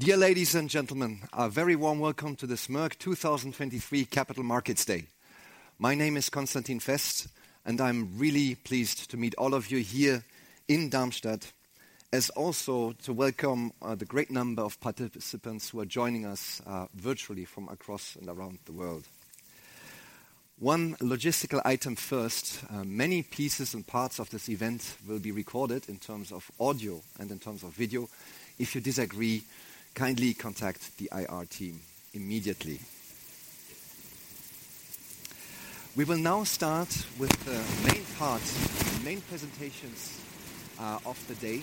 Dear ladies and gentlemen, a very warm welcome to this Merck 2023 Capital Markets Day. My name is Constantin Fest, and I'm really pleased to meet all of you here in Darmstadt, as also to welcome, the great number of participants who are joining us virtually from across and around the world. One logistical item first. Many pieces and parts of this event will be recorded in terms of audio and in terms of video. If you disagree, kindly contact the IR team immediately. We will now start with the main part, the main presentations of the day,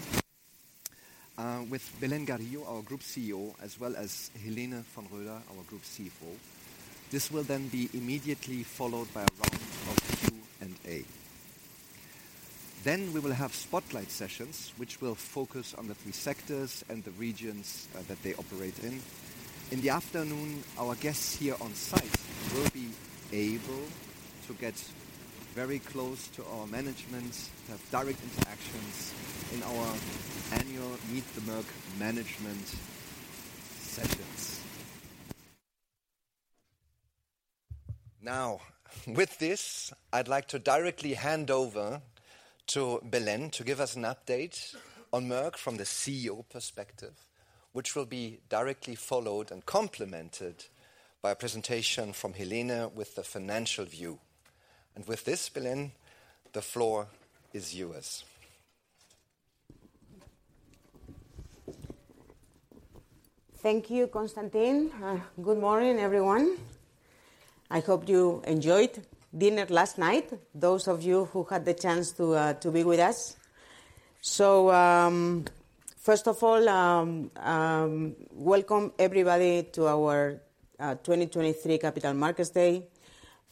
with Belén Garijo, our Group CEO, as well as Helene von Roeder, our Group CFO. This will then be immediately followed by a round of Q&A. Then we will have spotlight sessions, which will focus on the three sectors and the regions that they operate in. In the afternoon, our guests here on site will be able to get very close to our management, have direct interactions in our annual Meet the Merck Management sessions. Now, with this, I'd like to directly hand over to Belén to give us an update on Merck from the CEO perspective, which will be directly followed and complemented by a presentation from Helene with the financial view. With this, Belén, the floor is yours. Thank you, Constantin. Good morning, everyone. I hope you enjoyed dinner last night, those of you who had the chance to, to be with us. So, first of all, welcome everybody to our 2023 Capital Markets Day.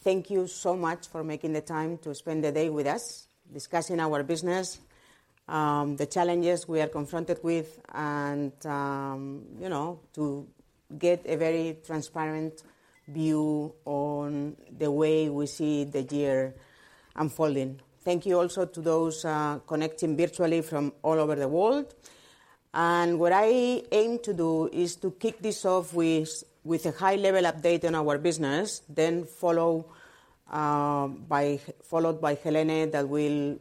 Thank you so much for making the time to spend the day with us discussing our business, the challenges we are confronted with, and, you know, to get a very transparent view on the way we see the year unfolding. Thank you also to those, connecting virtually from all over the world. What I aim to do is to kick this off with, with a high-level update on our business, then follow, by... followed by Helene, that will,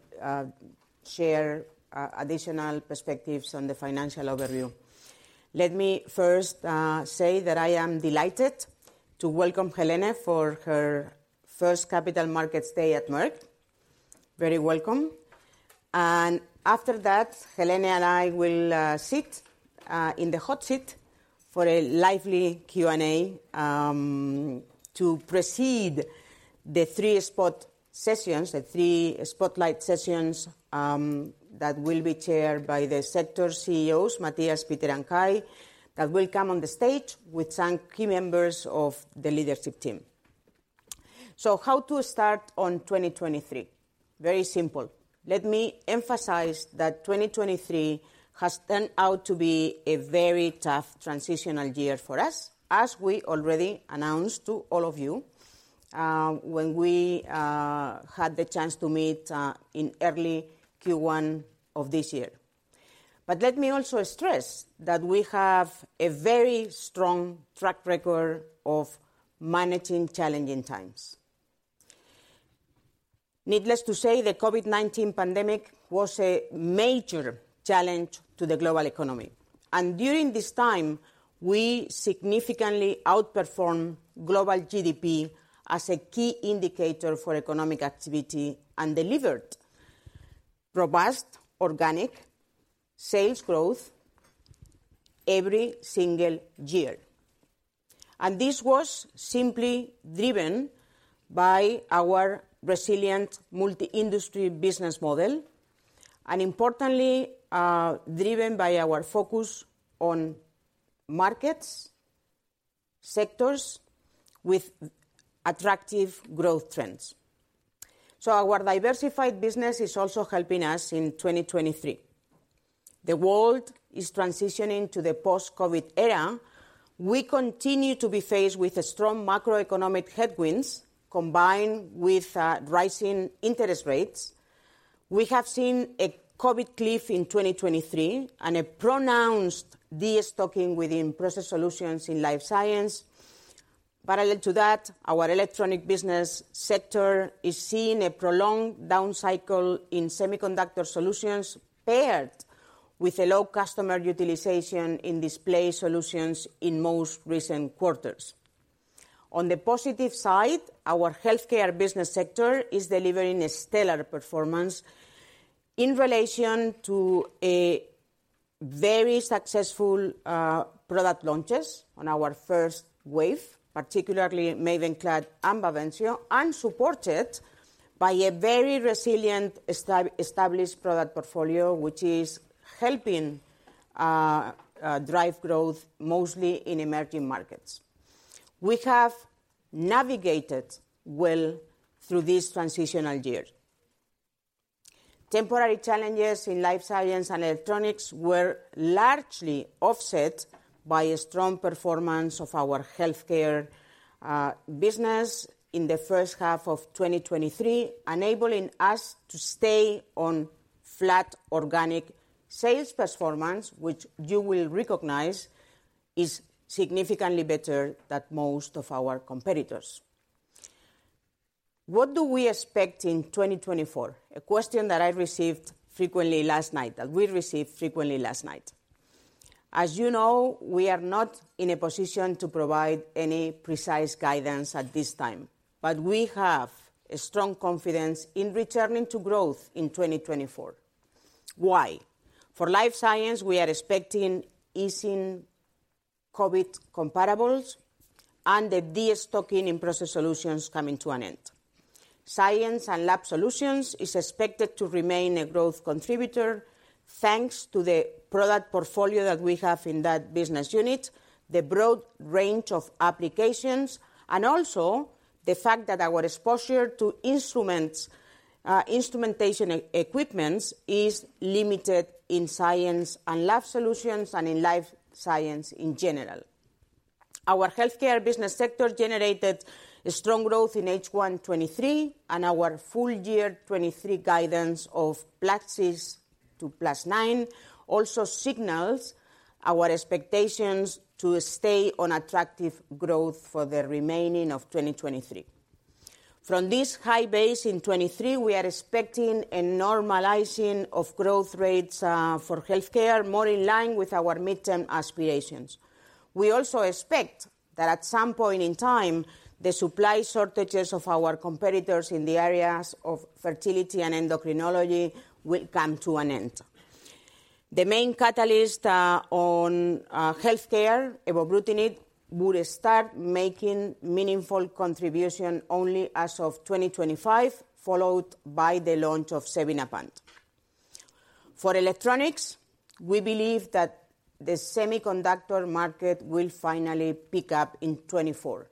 share, additional perspectives on the financial overview. Let me first say that I am delighted to welcome Helene for her first Capital Markets Day at Merck. Very welcome. After that, Helene and I will sit in the hot seat for a lively Q&A to precede the three spot sessions, the three spotlight sessions that will be chaired by the sector CEOs, Matthias, Peter, and Kai, that will come on the stage with some key members of the leadership team. How to start on 2023? Very simple. Let me emphasize that 2023 has turned out to be a very tough transitional year for us, as we already announced to all of you when we had the chance to meet in early Q1 of this year. Let me also stress that we have a very strong track record of managing challenging times. Needless to say, the COVID-19 pandemic was a major challenge to the global economy, and during this time, we significantly outperformed global GDP as a key indicator for economic activity and delivered robust organic sales growth every single year. This was simply driven by our resilient multi-industry business model, and importantly, driven by our focus on markets, sectors with attractive growth trends. Our diversified business is also helping us in 2023. The world is transitioning to the post-COVID era. We continue to be faced with strong macroeconomic headwinds, combined with rising interest rates. We have seen a COVID cliff in 2023 and a pronounced de-stocking Process Solutions in Life Science. Parallel to that, our Electronics business sector is seeing a prolonged downcycle in Semiconductor Solutions, paired with a low customer utilization in Display Solutions in most recent quarters. On the positive side, our Healthcare business sector is delivering a stellar performance in relation to a very successful product launches on our first wave, particularly Mavenclad and Bavencio, and supported by a very resilient established product portfolio, which is helping drive growth mostly in emerging markets. We have navigated well through this transitional year. Temporary challenges in Life Science and Electronics were largely offset by a strong performance of our Healthcare business in H1 of 2023, enabling us to stay on track, flat organic sales performance, which you will recognize is significantly better than most of our competitors. What do we expect in 2024? A question that I received frequently last night, that we received frequently last night. As you know, we are not in a position to provide any precise guidance at this time, but we have a strong confidence in returning to growth in 2024. Why? For Life Science, we are expecting easing COVID comparables and the destocking Process Solutions coming to an end. Science & Lab Solutions is expected to remain a growth contributor, thanks to the product portfolio that we have in that business unit, the broad range of applications, and also the fact that our exposure to instruments, instrumentation equipment is limited in Science & Lab Solutions and in Life Science in general. Our Healthcare business sector generated a strong growth in H1 2023, and our full year 2023 guidance of +6% to +9% also signals our expectations to stay on attractive growth for the remaining of 2023. From this high base in 2023, we are expecting a normalizing of growth rates for Healthcare, more in line with our midterm aspirations. We also expect that at some point in time, the supply shortages of our competitors in the areas of fertility and endocrinology will come to an end. The main catalyst on Healthcare, evobrutinib, would start making meaningful contribution only as of 2025, followed by the launch of xevinapant. For Electronics, we believe that the semiconductor market will finally pick up in 2024.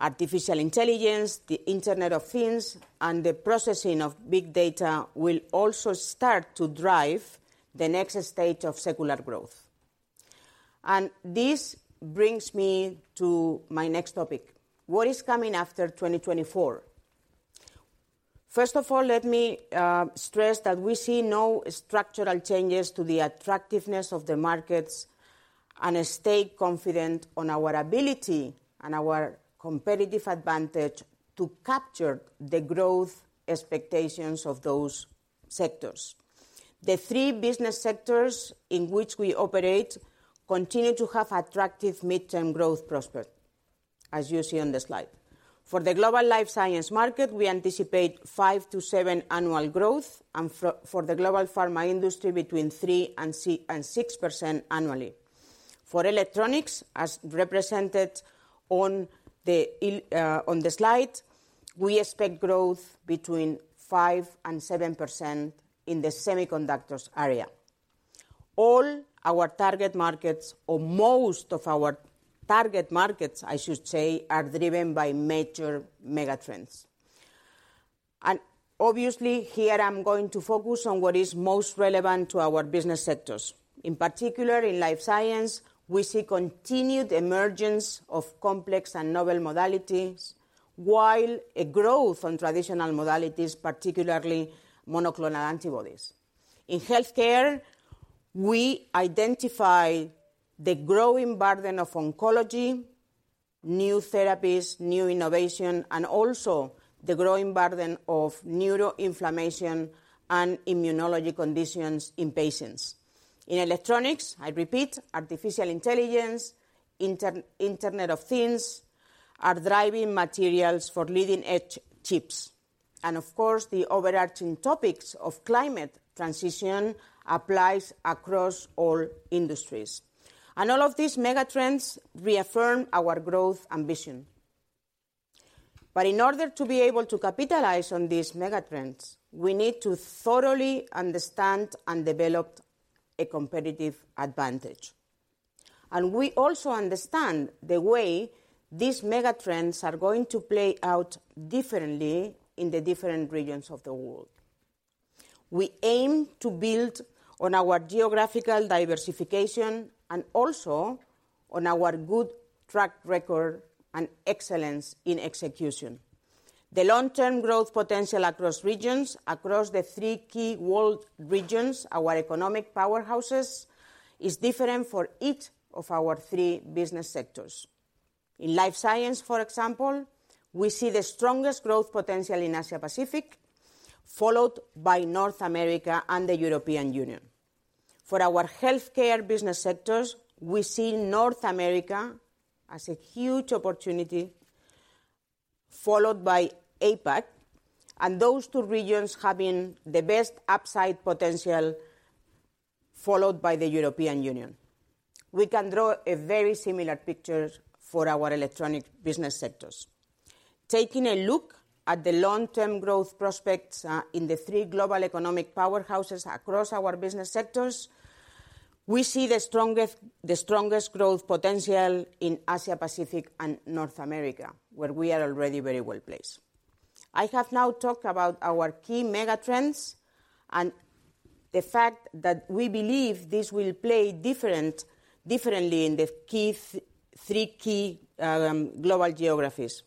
Artificial intelligence, the Internet of Things, and the processing of big data will also start to drive the next stage of secular growth. And this brings me to my next topic: What is coming after 2024? First of all, let me stress that we see no structural changes to the attractiveness of the markets and stay confident on our ability and our competitive advantage to capture the growth expectations of those sectors. The three business sectors in which we operate continue to have attractive midterm growth prospect, as you see on the slide. For the global Life Science market, we anticipate 5-7% annual growth, and for the global pharma industry, between 3% and 6% annually. For Electronics, as represented on the slide, we expect growth between 5% and 7% in the semiconductors area. All our target markets, or most of our target markets, I should say, are driven by major megatrends. And obviously, here I'm going to focus on what is most relevant to our business sectors. In particular, in Life Science, we see continued emergence of complex and novel modalities, while a growth on traditional modalities, particularly monoclonal antibodies. In Healthcare, we identify the growing burden of oncology, new therapies, new innovation, and also the growing burden of neuroinflammation and immunology conditions in patients. In Electronics, I repeat, artificial intelligence, Internet of Things, are driving materials for leading-edge chips. And of course, the overarching topics of climate transition applies across all industries. And all of these megatrends reaffirm our growth ambition. But in order to be able to capitalize on these megatrends, we need to thoroughly understand and develop a competitive advantage. And we also understand the way these megatrends are going to play out differently in the different regions of the world. We aim to build on our geographical diversification and also on our good track record and excellence in execution. The long-term growth potential across regions, across the three key world regions, our economic powerhouses, is different for each of our three business sectors. In Life Science, for example, we see the strongest growth potential in Asia-Pacific, followed by North America and the European Union. For our Healthcare business sectors, we see North America as a huge opportunity, followed by APAC, and those two regions having the best upside potential, followed by the European Union. We can draw a very similar picture for our Electronics business sector. Taking a look at the long-term growth prospects, in the three global economic powerhouses across our business sectors, we see the strongest, the strongest growth potential in Asia-Pacific and North America, where we are already very well-placed. I have now talked about our key megatrends and-... The fact that we believe this will play different, differently in the three key global geographies.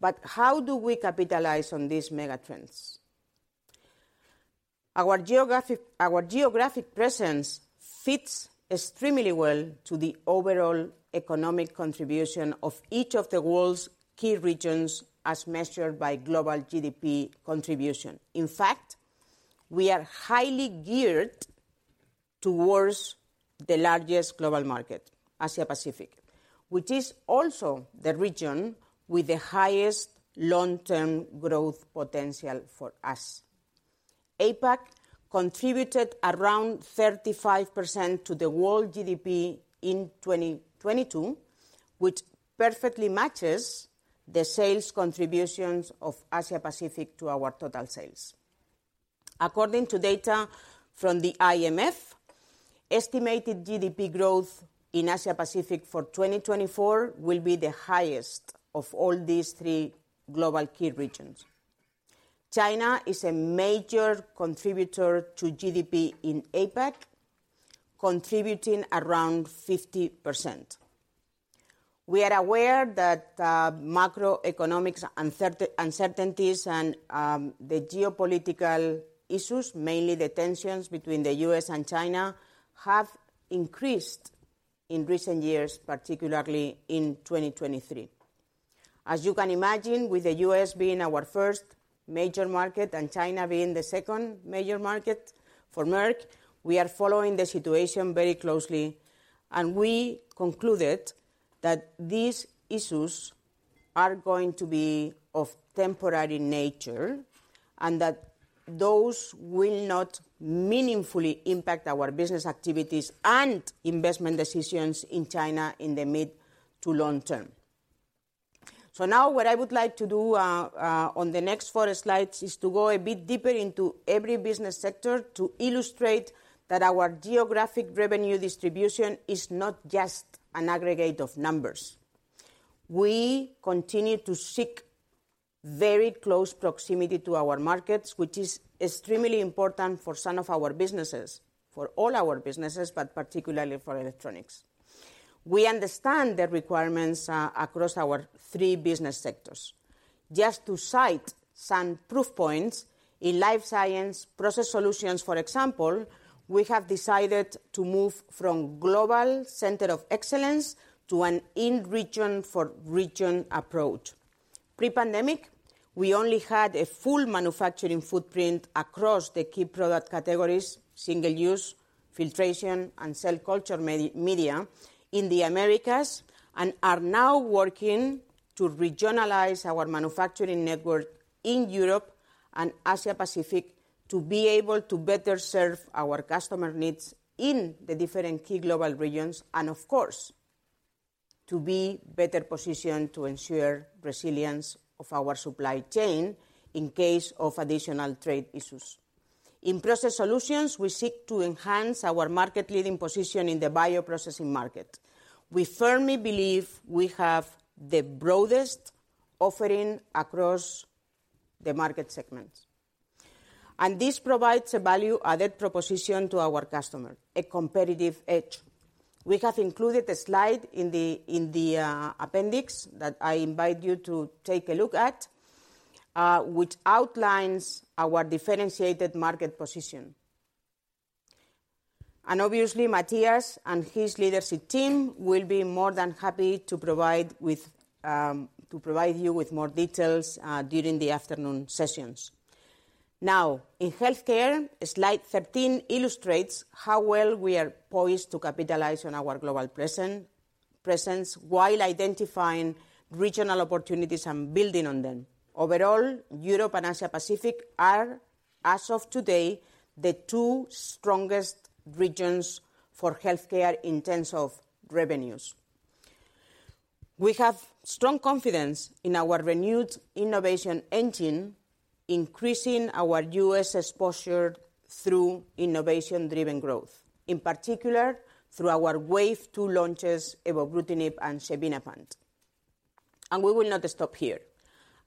But how do we capitalize on these megatrends? Our geographic presence fits extremely well to the overall economic contribution of each of the world's key regions, as measured by global GDP contribution. In fact, we are highly geared towards the largest global market, Asia-Pacific, which is also the region with the highest long-term growth potential for us. APAC contributed around 35% to the world GDP in 2022, which perfectly matches the sales contributions of Asia-Pacific to our total sales. According to data from the IMF, estimated GDP growth in Asia-Pacific for 2024 will be the highest of all these three global key regions. China is a major contributor to GDP in APAC, contributing around 50%. We are aware that macroeconomic uncertainties and the geopolitical issues, mainly the tensions between the U.S. and China, have increased in recent years, particularly in 2023. As you can imagine, with the U.S. being our first major market and China being the second major market for Merck, we are following the situation very closely, and we concluded that these issues are going to be of temporary nature, and that those will not meaningfully impact our business activities and investment decisions in China in the mid to long term. So now what I would like to do, on the next four slides is to go a bit deeper into every business sector to illustrate that our geographic revenue distribution is not just an aggregate of numbers. We continue to seek very close proximity to our markets, which is extremely important for some of our businesses, for all our businesses, but particularly for Electronics. We understand the requirements across our three business sectors. Just to cite some proof points, in Life Science Process Solutions for example, we have decided to move from global center of excellence to an in-region-for-region approach. Pre-pandemic, we only had a full manufacturing footprint across the key product categories: single-use, filtration, and cell culture media in the Americas, and are now working to regionalize our manufacturing network in Europe and Asia-Pacific to be able to better serve our customer needs in the different key global regions and, of course, to be better positioned to ensure resilience of our supply chain in case of additional trade issues. Process Solutions, we seek to enhance our market-leading position in the bioprocessing market. We firmly believe we have the broadest offering across the market segments, and this provides a value-added proposition to our customer, a competitive edge. We have included a slide in the appendix that I invite you to take a look at, which outlines our differentiated market position. And obviously, Matthias and his leadership team will be more than happy to provide you with more details during the afternoon sessions. Now, in Healthcare, slide 13 illustrates how well we are poised to capitalize on our global presence while identifying regional opportunities and building on them. Overall, Europe and Asia-Pacific are, as of today, the two strongest regions for Healthcare in terms of revenues. We have strong confidence in our renewed innovation engine, increasing our US exposure through innovation-driven growth, in particular through our wave two launches, evobrutinib and xevinapant. We will not stop here.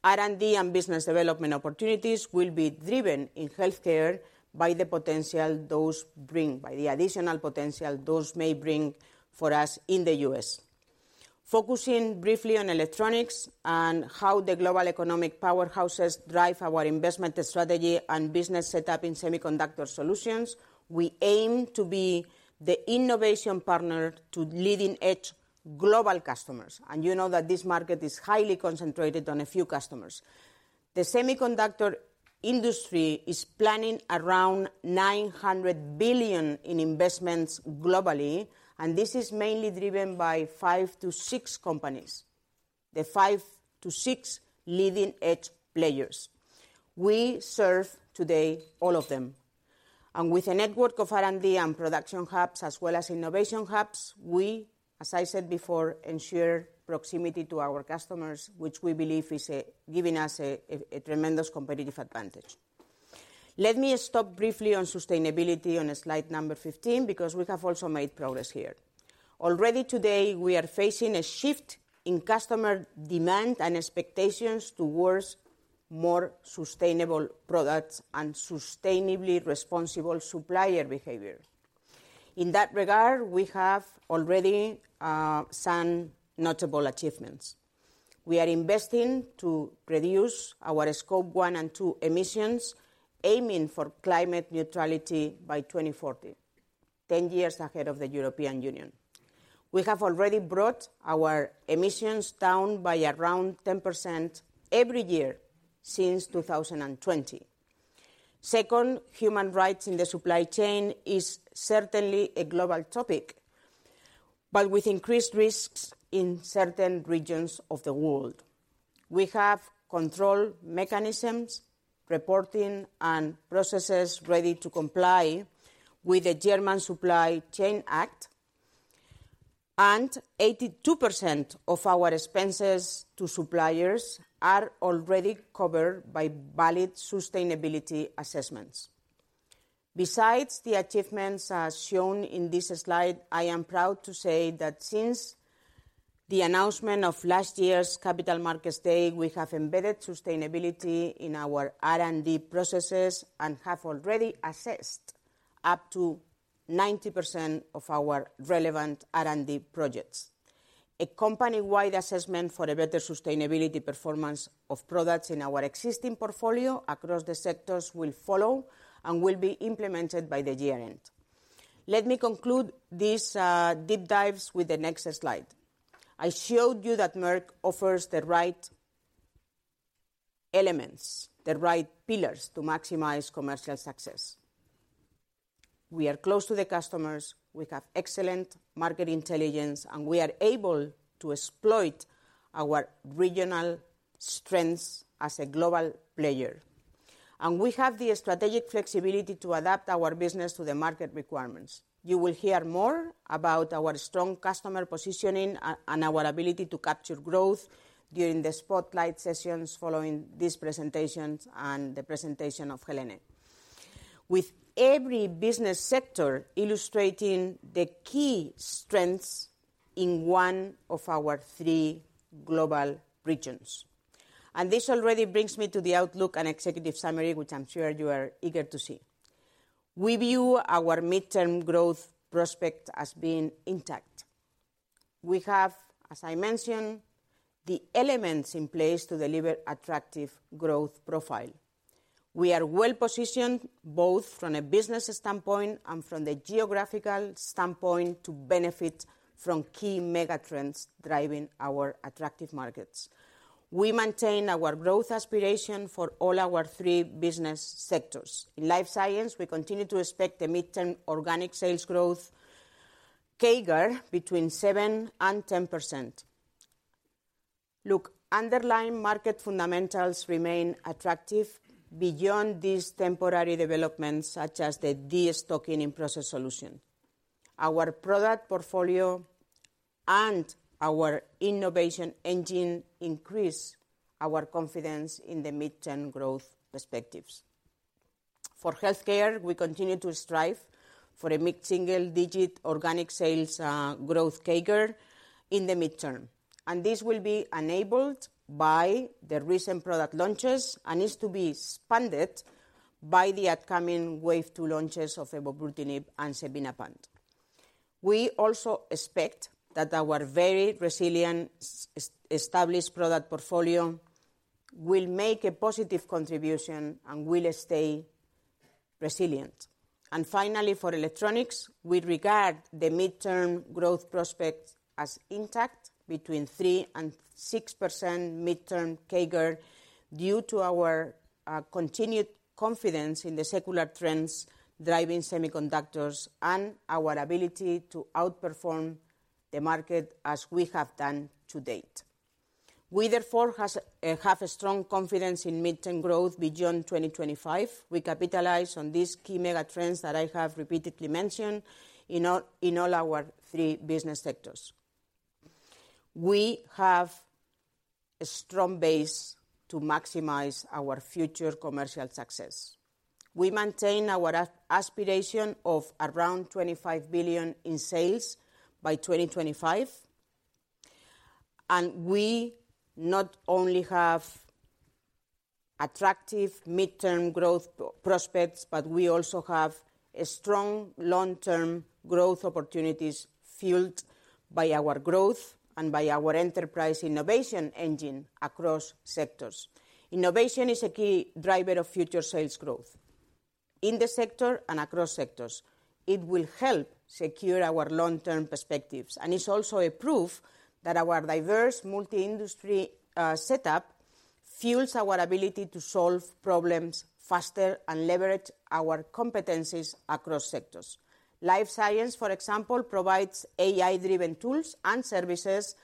R&D and business development opportunities will be driven in Healthcare by the potential those bring, by the additional potential those may bring for us in the US. Focusing briefly on Electronics and how the global economic powerhouses drive our investment strategy and business setup in Semiconductor Solutions, we aim to be the innovation partner to leading-edge global customers, and you know that this market is highly concentrated on a few customers. The semiconductor industry is planning around $900 billion in investments globally, and this is mainly driven by 5-6 companies, the 5-6 leading-edge players. We serve today all of them, and with a network of R&D and production hubs, as well as innovation hubs, we, as I said before, ensure proximity to our customers, which we believe is giving us a tremendous competitive advantage. Let me stop briefly on sustainability on slide number 15, because we have also made progress here. Already today, we are facing a shift in customer demand and expectations towards more sustainable products and sustainably responsible supplier behavior. In that regard, we have already some notable achievements. We are investing to reduce our Scope 1 and 2 emissions, aiming for climate neutrality by 2040, ten years ahead of the European Union. We have already brought our emissions down by around 10% every year since 2020. Second, human rights in the supply chain is certainly a global topic, but with increased risks in certain regions of the world. We have control mechanisms, reporting, and processes ready to comply with the German Supply Chain Act, and 82% of our expenses to suppliers are already covered by valid sustainability assessments. Besides the achievements as shown in this slide, I am proud to say that since the announcement of last year's Capital Markets Day, we have embedded sustainability in our R&D processes and have already assessed up to 90% of our relevant R&D projects. A company-wide assessment for a better sustainability performance of products in our existing portfolio across the sectors will follow and will be implemented by the year-end. Let me conclude these, deep dives with the next slide. I showed you that Merck offers the right elements, the right pillars to maximize commercial success. We are close to the customers, we have excellent market intelligence, and we are able to exploit our regional strengths as a global player. We have the strategic flexibility to adapt our business to the market requirements. You will hear more about our strong customer positioning and our ability to capture growth during the spotlight sessions following this presentation and the presentation of Helene. With every business sector illustrating the key strengths in one of our three global regions. This already brings me to the outlook and executive summary, which I'm sure you are eager to see. We view our midterm growth prospect as being intact. We have, as I mentioned, the elements in place to deliver attractive growth profile. We are well positioned, both from a business standpoint and from the geographical standpoint, to benefit from key megatrends driving our attractive markets. We maintain our growth aspiration for all our three business sectors. In Life Science, we continue to expect a midterm organic sales growth CAGR between 7%-10%. Look, underlying market fundamentals remain attractive beyond these temporary developments, such as the destocking Process Solutions. our product portfolio and our innovation engine increase our confidence in the midterm growth perspectives. For Healthcare, we continue to strive for a mid-single-digit organic sales growth CAGR in the midterm, and this will be enabled by the recent product launches and is to be expanded by the upcoming Wave Two launches of evobrutinib and xevinapant. We also expect that our very resilient established product portfolio will make a positive contribution and will stay resilient. Finally, for Electronics, we regard the midterm growth prospects as intact between 3%-6% midterm CAGR, due to our continued confidence in the secular trends driving semiconductors and our ability to outperform the market as we have done to date. We therefore have a strong confidence in midterm growth beyond 2025. We capitalize on these key mega trends that I have repeatedly mentioned in all, in all our three business sectors. We have a strong base to maximize our future commercial success. We maintain our aspiration of around 25 billion in sales by 2025, and we not only have attractive midterm growth prospects, but we also have a strong long-term growth opportunities fueled by our growth and by our enterprise innovation engine across sectors. Innovation is a key driver of future sales growth. In the sector and across sectors, it will help secure our long-term perspectives, and it's also a proof that our diverse multi-industry setup fuels our ability to solve problems faster and leverage our competencies across sectors. Life Science, for example, provides AI-driven tools and services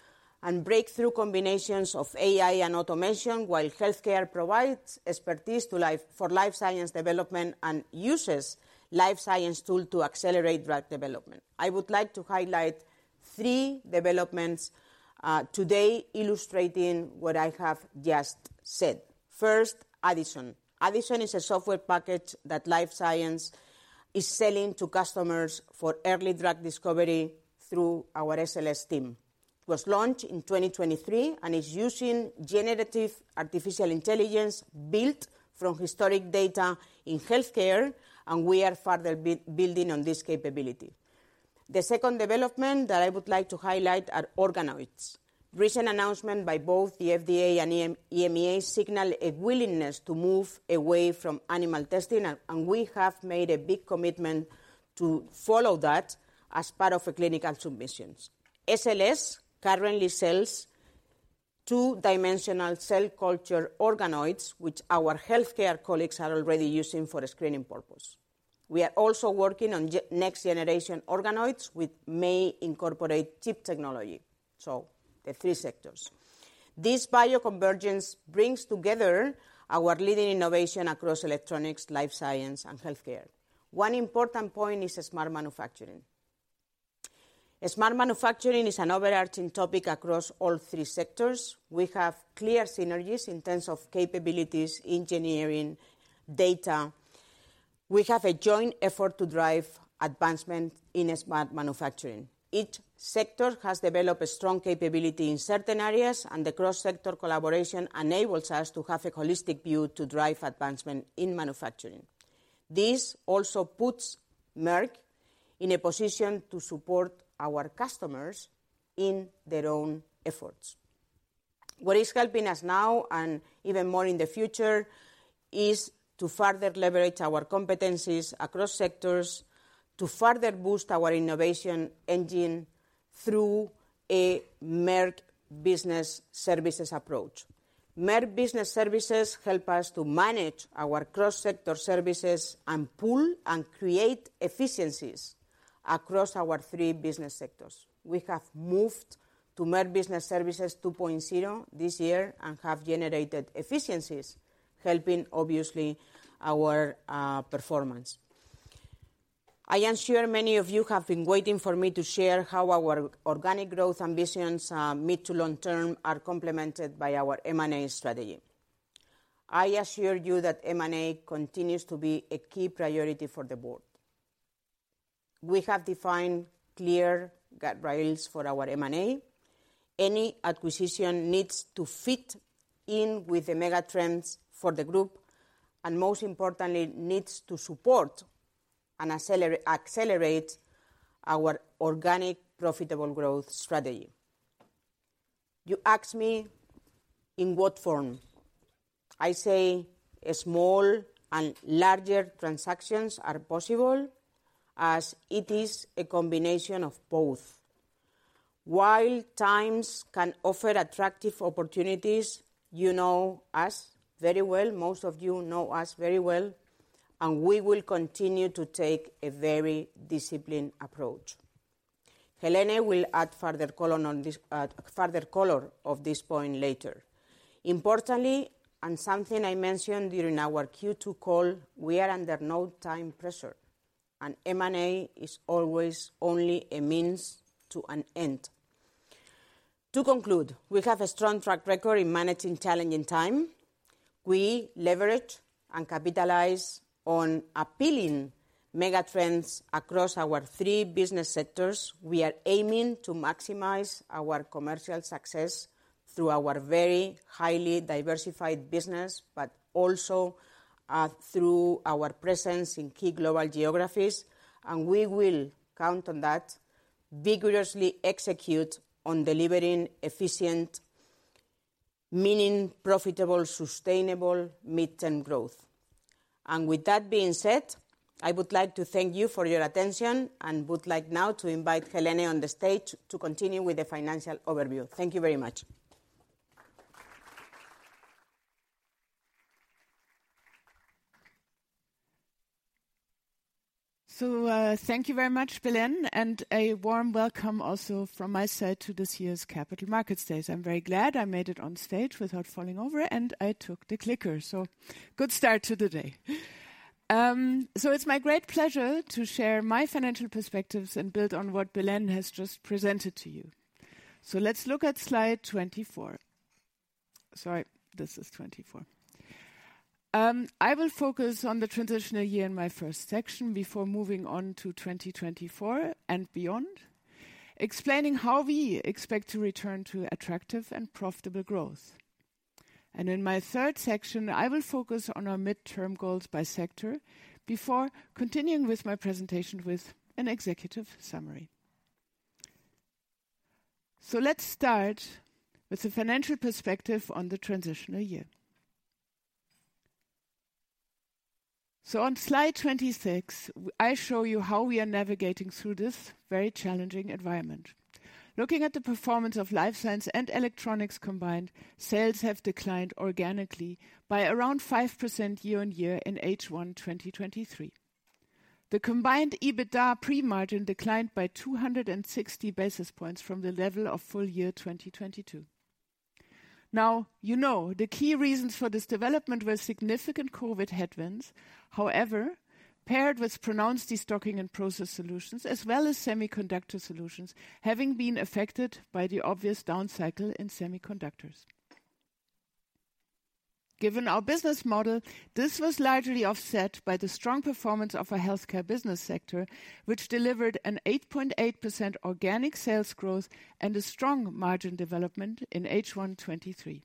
and breakthrough combinations of AI and automation, while Healthcare provides expertise to drive for Life Science development and uses Life Science tool to accelerate drug development. I would like to highlight three developments today illustrating what I have just said. First, AIDDISON. AIDDISON is a software package that Life Science is selling to customers for early drug discovery through our SLS team. It was launched in 2023, and is using generative artificial intelligence built from historic data in Healthcare, and we are further building on this capability. The second development that I would like to highlight are organoids. Recent announcement by both the FDA and EMA signals a willingness to move away from animal testing, and we have made a big commitment to follow that as part of a clinical submissions. SLS currently sells two-dimensional cell culture organoids, which our Healthcare colleagues are already using for a screening purpose. We are also working on next-generation organoids, which may incorporate chip technology, so the three sectors. This bioconvergence brings together our leading innovation across Electronics, Life Science, and Healthcare. One important point is smart manufacturing. Smart manufacturing is an overarching topic across all three sectors. We have clear synergies in terms of capabilities, engineering, data. We have a joint effort to drive advancement in smart manufacturing. Each sector has developed a strong capability in certain areas, and the cross-sector collaboration enables us to have a holistic view to drive advancement in manufacturing. This also puts Merck in a position to support our customers in their own efforts. What is helping us now, and even more in the future, is to further leverage our competencies across sectors to further boost our innovation engine through a Merck Business Services approach. Merck Business Services help us to manage our cross-sector services and pool and create efficiencies across our three business sectors. We have moved to Merck Business Services 2.0 this year and have generated efficiencies, helping obviously our performance. I am sure many of you have been waiting for me to share how our organic growth ambitions, mid to long term, are complemented by our M&A strategy. I assure you that M&A continues to be a key priority for the board. We have defined clear guardrails for our M&A. Any acquisition needs to fit in with the mega trends for the group, and most importantly, needs to support and accelerate our organic, profitable growth strategy. You ask me, "In what form?" I say, "A small and larger transactions are possible, as it is a combination of both." While times can offer attractive opportunities, you know us very well; most of you know us very well, and we will continue to take a very disciplined approach. Helene will add further color on this, further color of this point later. Importantly, and something I mentioned during our Q2 call, we are under no time pressure, and M&A is always only a means to an end. To conclude, we have a strong track record in managing challenging times. We leverage and capitalize on appealing mega trends across our three business sectors. We are aiming to maximize our commercial success through our very highly diversified business, but also, through our presence in key global geographies, and we will count on that, vigorously execute on delivering efficient, meaning profitable, sustainable mid-term growth. With that being said, I would like to thank you for your attention and would like now to invite Helene on the stage to continue with the financial overview. Thank you very much. So, thank you very much, Belén, and a warm welcome also from my side to this year's Capital Markets Days. I'm very glad I made it on stage without falling over, and I took the clicker, so good start to the day. So it's my great pleasure to share my financial perspectives and build on what Belén has just presented to you. So let's look at slide 24. Sorry, this is 24. I will focus on the transitional year in my first section before moving on to 2024 and beyond, explaining how we expect to return to attractive and profitable growth. And in my third section, I will focus on our midterm goals by sector before continuing with my presentation with an executive summary. So let's start with the financial perspective on the transitional year. So on slide 26, I show you how we are navigating through this very challenging environment. Looking at the performance of Life Science and Electronics combined, sales have declined organically by around 5% year-on-year in H1 2023. The combined EBITDA pre-margin declined by 260 basis points from the level of full year 2022. Now, you know, the key reasons for this development were significant COVID headwinds, however, paired with pronounced destocking Process Solutions, as well as Semiconductor Solutions, having been affected by the obvious downcycle in semiconductors. Given our business model, this was largely offset by the strong performance of our Healthcare business sector, which delivered an 8.8% organic sales growth and a strong margin development in H1 2023.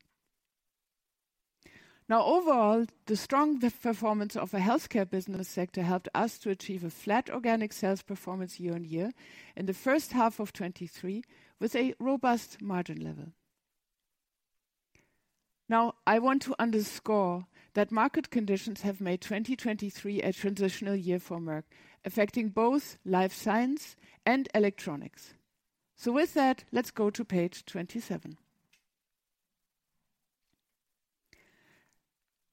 Now overall, the strong performance of the Healthcare business sector helped us to achieve a flat organic sales performance year-over-year in H1 of 2023, with a robust margin level. Now, I want to underscore that market conditions have made 2023 a transitional year for Merck, affecting both Life Science and Electronics. So with that, let's go to page 27.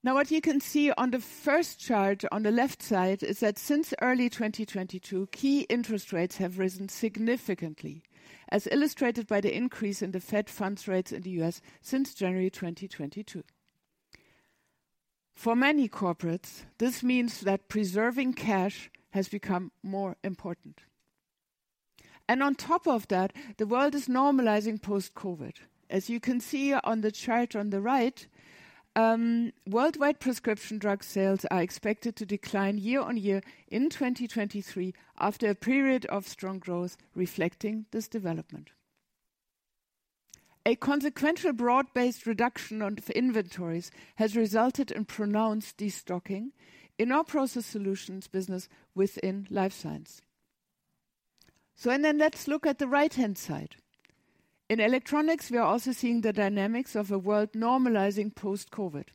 Now, what you can see on the first chart on the left side is that since early 2022, key interest rates have risen significantly, as illustrated by the increase in the Fed funds rates in the US since January 2022. For many corporates, this means that preserving cash has become more important. And on top of that, the world is normalizing post-COVID. As you can see on the chart on the right, worldwide prescription drug sales are expected to decline year on year in 2023, after a period of strong growth, reflecting this development. A consequential broad-based reduction of inventories has resulted in pronounced destocking in Process Solutions business within Life Science. So and then let's look at the right-hand side. In Electronics, we are also seeing the dynamics of a world normalizing post-COVID.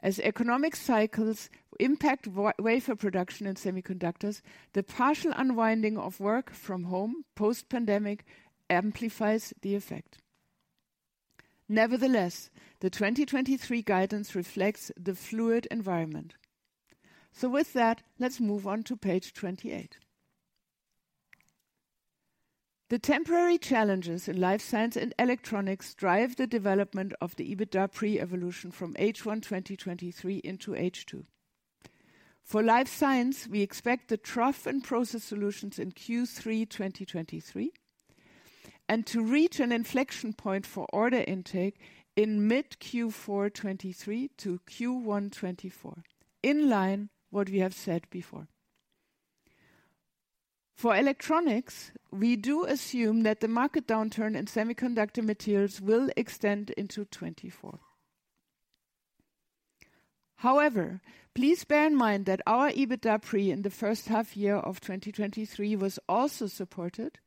As economic cycles impact wafer production in semiconductors, the partial unwinding of work from home post-pandemic amplifies the effect. Nevertheless, the 2023 guidance reflects the fluid environment. So with that, let's move on to page 28. The temporary challenges in Life Science and Electronics drive the development of the EBITDA pre-evolution from H1 2023 into H2. For Life Science, we expect the trough Process Solutions in Q3 2023, and to reach an inflection point for order intake in mid-Q4 2023 to Q1 2024, in line with what we have said before. For Electronics, we do assume that the market downturn in semiconductor materials will extend into 2024. However, please bear in mind that our EBITDA pre in H1 year of 2023 was also supported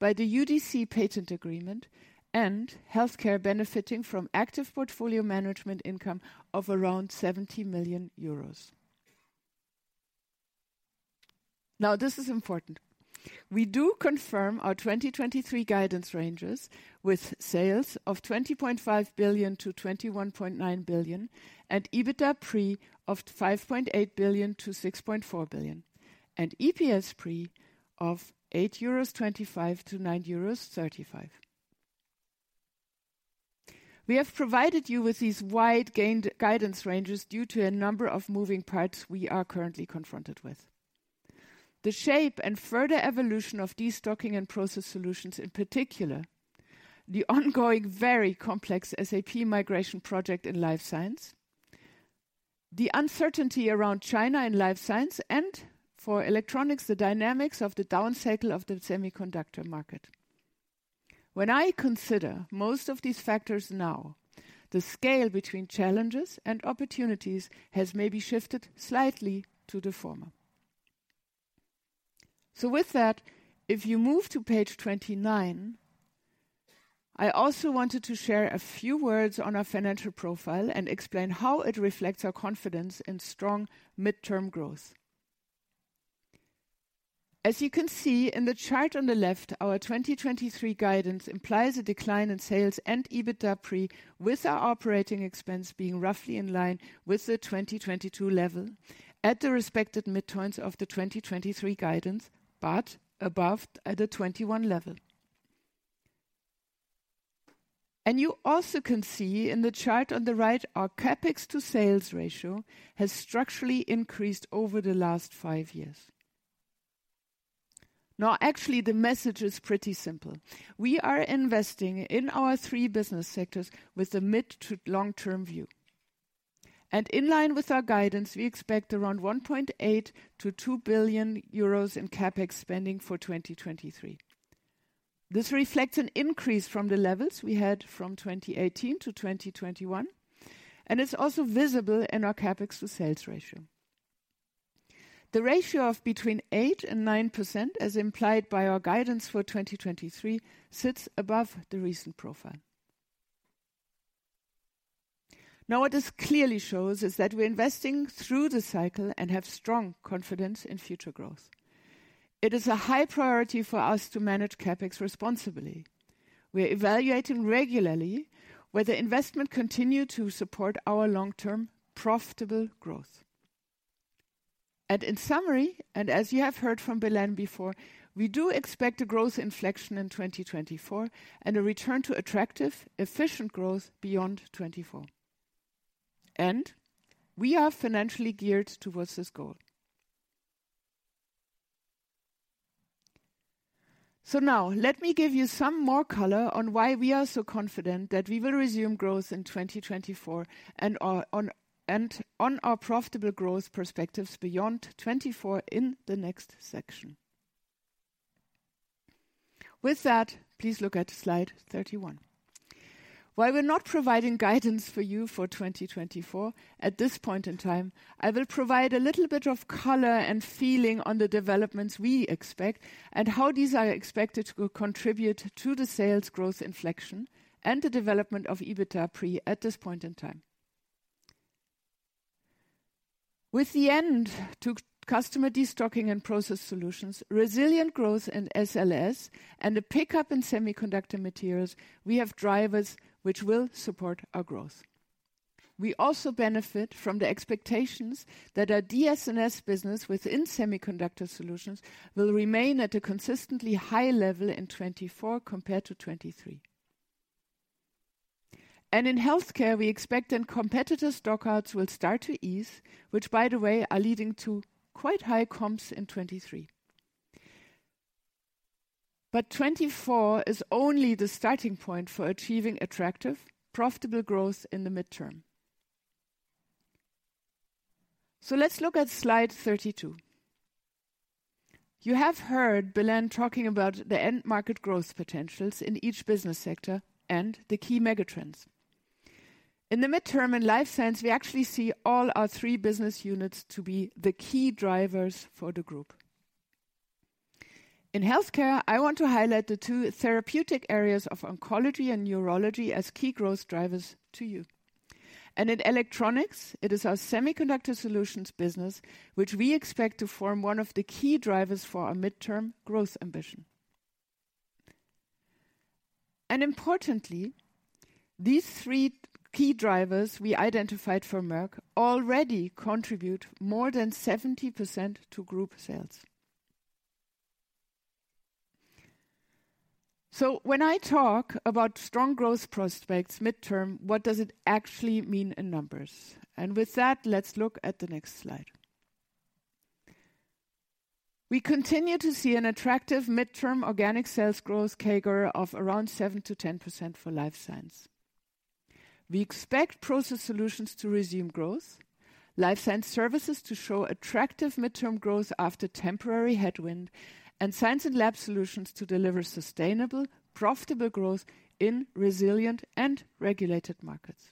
by the UDC patent agreement and Healthcare benefiting from active portfolio management income of around 70 million euros. Now, this is important. We do confirm our 2023 guidance ranges with sales of 20.5 billion-21.9 billion, and EBITDA pre of 5.8 billion-6.4 billion, and EPS pre of 8.25-9.35 euros. We have provided you with these wide-ranging guidance ranges due to a number of moving parts we are currently confronted with: the shape and further evolution of Process Solutions, in particular, the ongoing, very complex SAP migration project in Life Science, the uncertainty around China in Life Science, and for Electronics, the dynamics of the downcycle of the semiconductor market. When I consider most of these factors now, the scale between challenges and opportunities has maybe shifted slightly to the former. So with that, if you move to page 29, I also wanted to share a few words on our financial profile and explain how it reflects our confidence in strong mid-term growth. As you can see in the chart on the left, our 2023 guidance implies a decline in sales and EBITDA pre, with our operating expenses being roughly in line with the 2022 level at the respective midpoints of the 2023 guidance, but above at the 2021 level. You also can see in the chart on the right, our CapEx to sales ratio has structurally increased over the last five years. Now, actually, the message is pretty simple: We are investing in our three business sectors with a mid- to long-term view. In line with our guidance, we expect around 1.8 billion-2 billion euros in CapEx spending for 2023. This reflects an increase from the levels we had from 2018 to 2021, and it's also visible in our CapEx to sales ratio. The ratio of between 8%-9%, as implied by our guidance for 2023, sits above the recent profile. Now, what this clearly shows is that we're investing through the cycle and have strong confidence in future growth. It is a high priority for us to manage CapEx responsibly. We are evaluating regularly whether investment continue to support our long-term, profitable growth. In summary, and as you have heard from Belén before, we do expect a growth inflection in 2024 and a return to attractive, efficient growth beyond 2024. We are financially geared towards this goal.... So now, let me give you some more color on why we are so confident that we will resume growth in 2024, and our profitable growth perspectives beyond 2024 in the next section. With that, please look at slide 31. While we're not providing guidance for you for 2024, at this point in time, I will provide a little bit of color and feeling on the developments we expect and how these are expected to contribute to the sales growth inflection and the development of EBITDA pre at this point in time. With the end to customer destocking Process Solutions, resilient growth in SLS and a pickup in semiconductor materials, we have drivers which will support our growth. We also benefit from the expectations that our DS&S business within Semiconductor Solutions will remain at a consistently high level in 2024 compared to 2023. And in Healthcare, we expect that competitor stockouts will start to ease, which, by the way, are leading to quite high comps in 2023. But 2024 is only the starting point for achieving attractive, profitable growth in the midterm. Let's look at slide 32. You have heard Belén talking about the end market growth potentials in each business sector and the key megatrends. In the midterm in Life Science, we actually see all our 3 business units to be the key drivers for the group. In Healthcare, I want to highlight the 2 therapeutic areas of oncology and neurology as key growth drivers to you. In Electronics, it is our Semiconductor Solutions business, which we expect to form one of the key drivers for our midterm growth ambition. Importantly, these 3 key drivers we identified for Merck already contribute more than 70% to group sales. When I talk about strong growth prospects midterm, what does it actually mean in numbers? With that, let's look at the next slide. We continue to see an attractive midterm organic sales growth CAGR of around 7%-10% for Life Science. We Process Solutions to resume growth, Life Science Services to show attractive midterm growth after temporary headwind, and Science & Lab Solutions to deliver sustainable, profitable growth in resilient and regulated markets.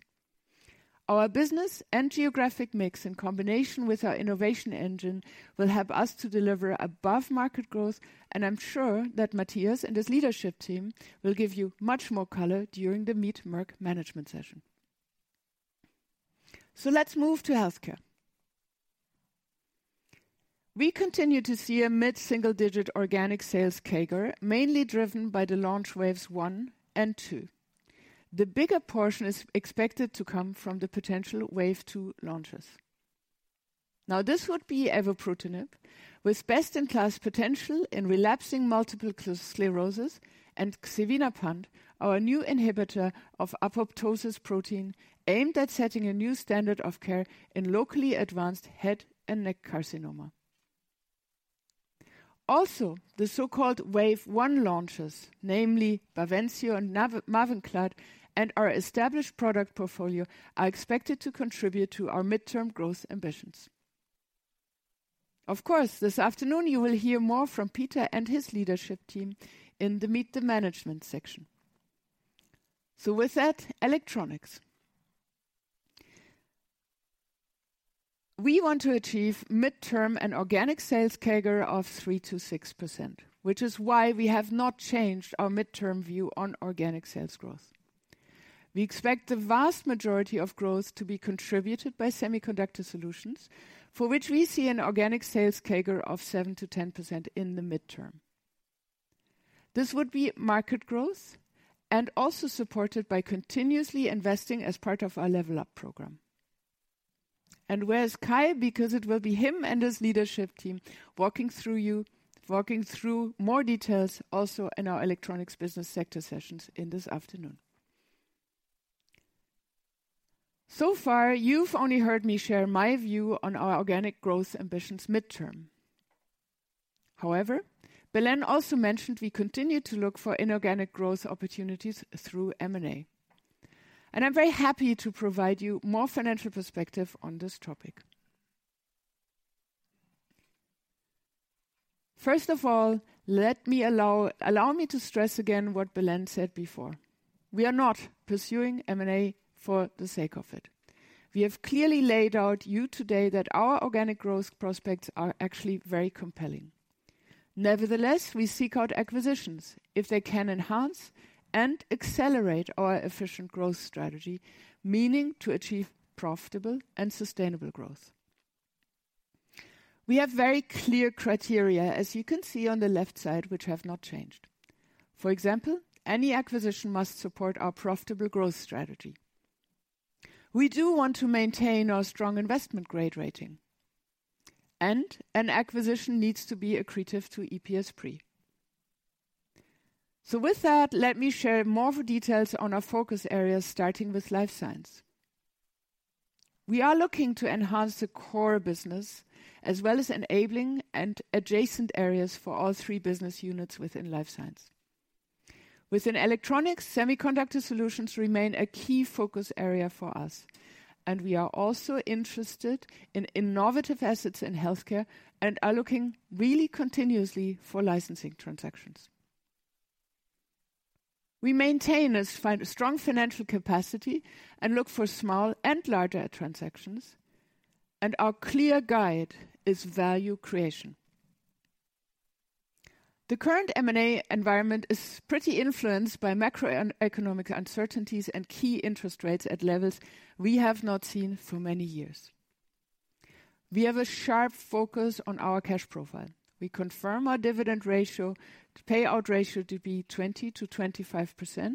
Our business and geographic mix, in combination with our innovation engine, will help us to deliver above market growth, and I'm sure that Matthias and his leadership team will give you much more color during the Meet Merck Management session. Let's move to Healthcare. We continue to see a mid-single-digit organic sales CAGR, mainly driven by the launch waves I and II. The bigger portion is expected to come from the potential Wave II launches. Now, this would be evobrutinib with best-in-class potential in relapsing multiple sclerosis and xevinapant, our new inhibitor of apoptosis protein, aimed at setting a new standard of care in locally advanced head and neck carcinoma. Also, the so-called Wave I launches, namely Bavencio and Mavenclad, and our established product portfolio, are expected to contribute to our midterm growth ambitions. Of course, this afternoon you will hear more from Peter and his leadership team in the Meet the Management section. So with that, Electronics. We want to achieve midterm and organic sales CAGR of 3%-6%, which is why we have not changed our midterm view on organic sales growth. We expect the vast majority of growth to be contributed by Semiconductor Solutions, for which we see an organic sales CAGR of 7%-10% in the midterm. This would be market growth and also supported by continuously investing as part of our Level Up program. And where is Kai? Because it will be him and his leadership team walking through more details also in our Electronics business sector sessions this afternoon. So far, you've only heard me share my view on our organic growth ambitions midterm. However, Belén also mentioned we continue to look for inorganic growth opportunities through M&A, and I'm very happy to provide you more financial perspective on this topic. First of all, let me allow me to stress again what Belén said before. We are not pursuing M&A for the sake of it. We have clearly laid out you today that our organic growth prospects are actually very compelling. Nevertheless, we seek out acquisitions if they can enhance and accelerate our efficient growth strategy, meaning to achieve profitable and sustainable growth. We have very clear criteria, as you can see on the left side, which have not changed. For example, any acquisition must support our profitable growth strategy. We do want to maintain our strong investment grade rating, and an acquisition needs to be accretive to EPS pre. So with that, let me share more details on our focus areas, starting with Life Science. We are looking to enhance the core business, as well as enabling and adjacent areas for all three business units within Life Science. Within Electronics, Semiconductor Solutions remain a key focus area for us, and we are also interested in innovative assets in Healthcare and are looking really continuously for licensing transactions. We maintain a strong financial capacity and look for small and larger transactions, and our clear guide is value creation. The current M&A environment is pretty influenced by macro and economic uncertainties and key interest rates at levels we have not seen for many years. We have a sharp focus on our cash profile. We confirm our dividend ratio, the payout ratio to be 20%-25%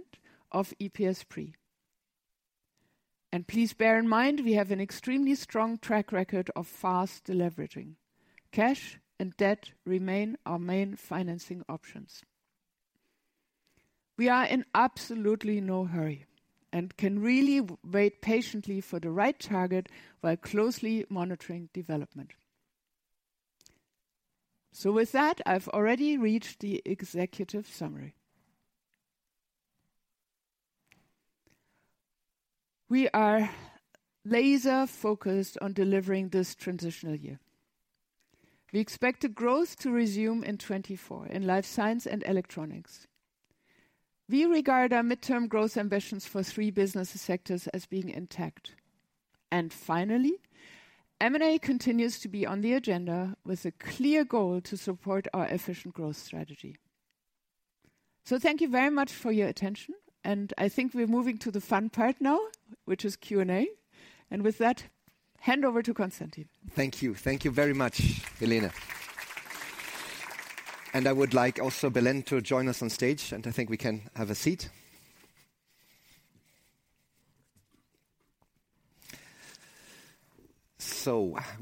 of EPS pre. And please bear in mind, we have an extremely strong track record of fast deleveraging. Cash and debt remain our main financing options. We are in absolutely no hurry and can really wait patiently for the right target while closely monitoring development. So with that, I've already reached the executive summary. We are laser focused on delivering this transitional year. We expect the growth to resume in 2024 in Life Science and Electronics. We regard our midterm growth ambitions for three business sectors as being intact. Finally, M&A continues to be on the agenda with a clear goal to support our efficient growth strategy. Thank you very much for your attention, and I think we're moving to the fun part now, which is Q&A. With that, hand over to Constantin. Thank you. Thank you very much, Helene. I would like also Belén to join us on stage, and I think we can have a seat. We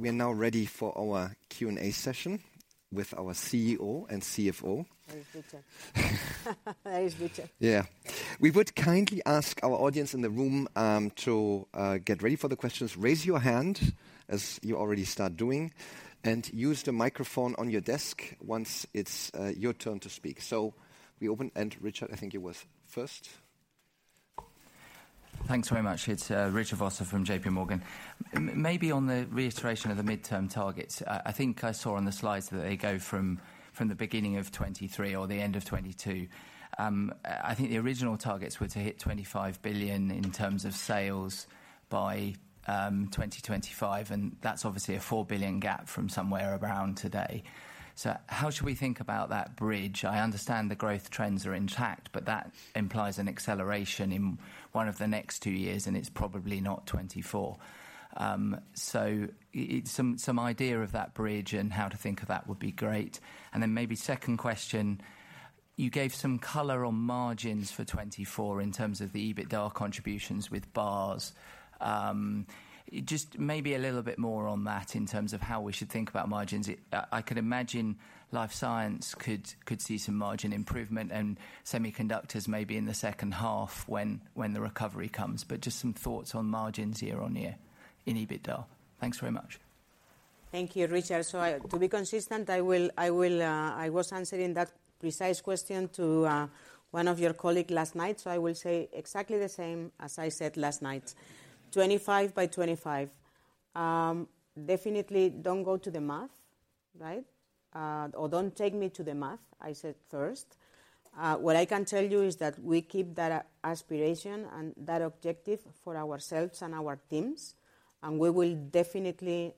are now ready for our Q&A session with our CEO and CFO. Where is Peter? Where is Peter? Yeah. We would kindly ask our audience in the room to get ready for the questions. Raise your hand, as you already start doing, and use the microphone on your desk once it's your turn to speak. So we open, and Richard, I think it was first. Thanks very much. It's Richard Vosser from JPMorgan. Maybe on the reiteration of the midterm targets, I think I saw on the slides that they go from the beginning of 2023 or the end of 2022. I think the original targets were to hit 25 billion in terms of sales by 2025, and that's obviously a 4 billion gap from somewhere around today. So how should we think about that bridge? I understand the growth trends are intact, but that implies an acceleration in one of the next two years, and it's probably not 2024. So some idea of that bridge and how to think of that would be great. And then maybe second question, you gave some color on margins for 2024 in terms of the EBITDA contributions with bars. Just maybe a little bit more on that in terms of how we should think about margins. It... I could imagine Life Science could see some margin improvement and Semiconductors maybe in H2 when the recovery comes, but just some thoughts on margins year on year in EBITDA. Thanks very much. Thank you, Richard. To be consistent, I will, I will, I was answering that precise question to one of your colleague last night, so I will say exactly the same as I said last night: 25 by 25. Definitely don't go to the math, right? Or don't take me to the math, I said first. What I can tell you is that we keep that aspiration and that objective for ourselves and our teams, and we will definitely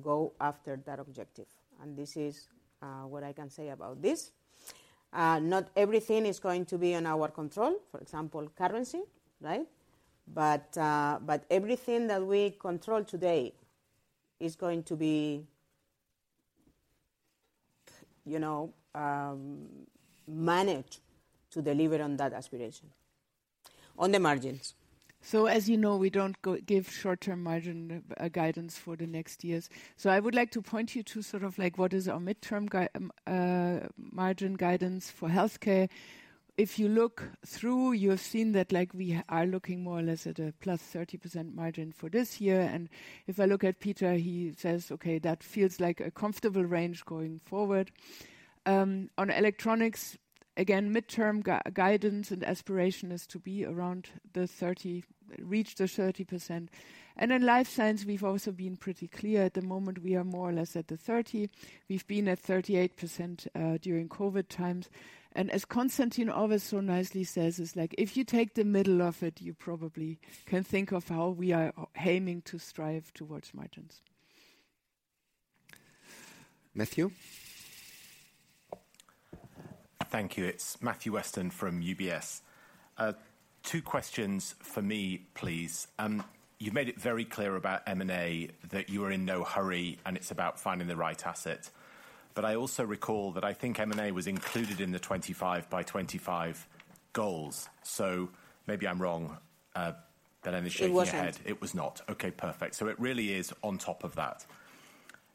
go after that objective, and this is what I can say about this. Not everything is going to be in our control, for example, currency, right? But everything that we control today is going to be, you know, managed to deliver on that aspiration. On the margins. So as you know, we don't give short-term margin guidance for the next years. So I would like to point you to sort of like what is our midterm margin guidance for Healthcare. If you look through, you've seen that like we are looking more or less at a +30% margin for this year. And if I look at Peter, he says, "Okay, that feels like a comfortable range going forward." On Electronics, again, midterm guidance and aspiration is to be around the 30, reach the 30%. And in Life Science, we've also been pretty clear. At the moment, we are more or less at the 30. We've been at 38%, during COVID times. As Constantin always so nicely says, is like, "If you take the middle of it, you probably can think of how we are aiming to strive towards margins. Matthew? Thank you. It's Matthew Weston from UBS. Two questions for me, please. You made it very clear about M&A, that you are in no hurry, and it's about finding the right asset. But I also recall that I think M&A was included in the 25 by 25 goals. So maybe I'm wrong, Belén, I shake my head. It wasn't. It was not. Okay, perfect. So it really is on top of that.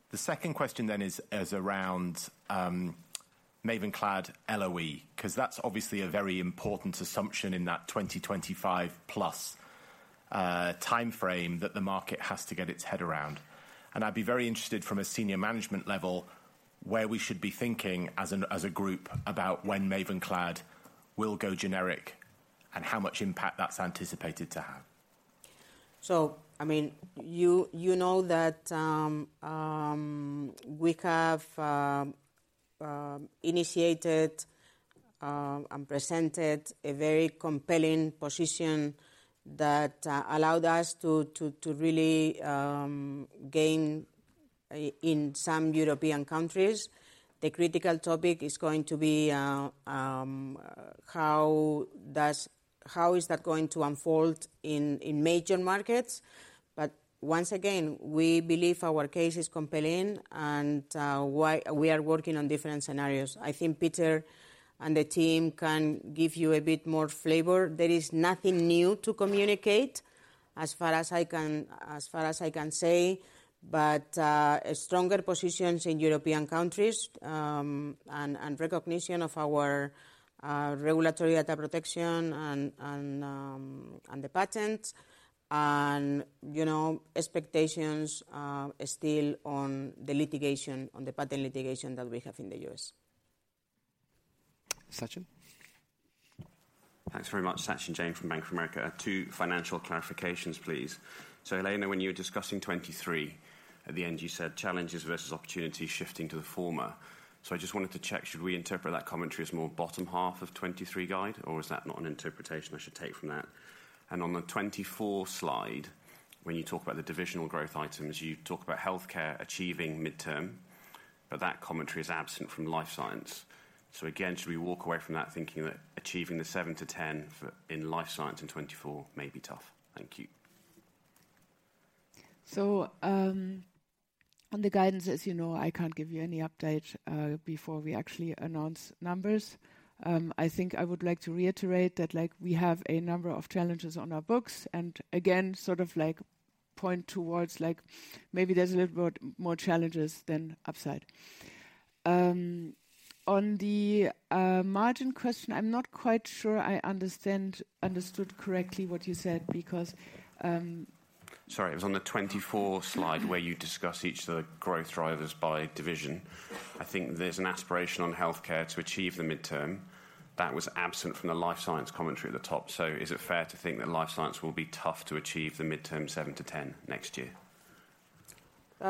The second question then is around Mavenclad LOE, 'cause that's obviously a very important assumption in that 2025 plus timeframe that the market has to get its head around. And I'd be very interested from a senior management level, where we should be thinking as a group about when Mavenclad will go generic, and how much impact that's anticipated to have? So I mean, you, you know that, we have, initiated, and presented a very compelling position that, allowed us to, to, to really, gain in some European countries. The critical topic is going to be, how does-- how is that going to unfold in, in major markets? But once again, we believe our case is compelling, and, why-- we are working on different scenarios. I think Peter and the team can give you a bit more flavor. There is nothing new to communicate as far as I can, as far as I can say. But, a stronger positions in European countries, and, and recognition of our, regulatory data protection and, and, and the patents and, you know, expectations, still on the litigation, on the patent litigation that we have in the US. Sachin? Thanks very much. Sachin Jain from Bank of America. Two financial clarifications, please. So, Helene, when you were discussing 2023, at the end, you said challenges versus opportunities shifting to the former. So I just wanted to check, should we interpret that commentary as more bottom half of 2023 guide, or is that not an interpretation I should take from that? And on the 2024 slide, when you talk about the divisional growth items, you talk about Healthcare achieving midterm, but that commentary is absent from Life Science. So again, should we walk away from that thinking that achieving the 7-10 for Life Science in 2024 may be tough? Thank you. On the guidance, as you know, I can't give you any update before we actually announce numbers. I think I would like to reiterate that, like, we have a number of challenges on our books, and again, sort of like, point towards, like, maybe there's a little more, more challenges than upside. On the margin question, I'm not quite sure I understood correctly what you said, because, Sorry, it was on the 24 slide where you discuss each of the growth drivers by division. I think there's an aspiration on Healthcare to achieve the midterm that was absent from the Life Science commentary at the top. So is it fair to think that Life Science will be tough to achieve the midterm 7-10 next year?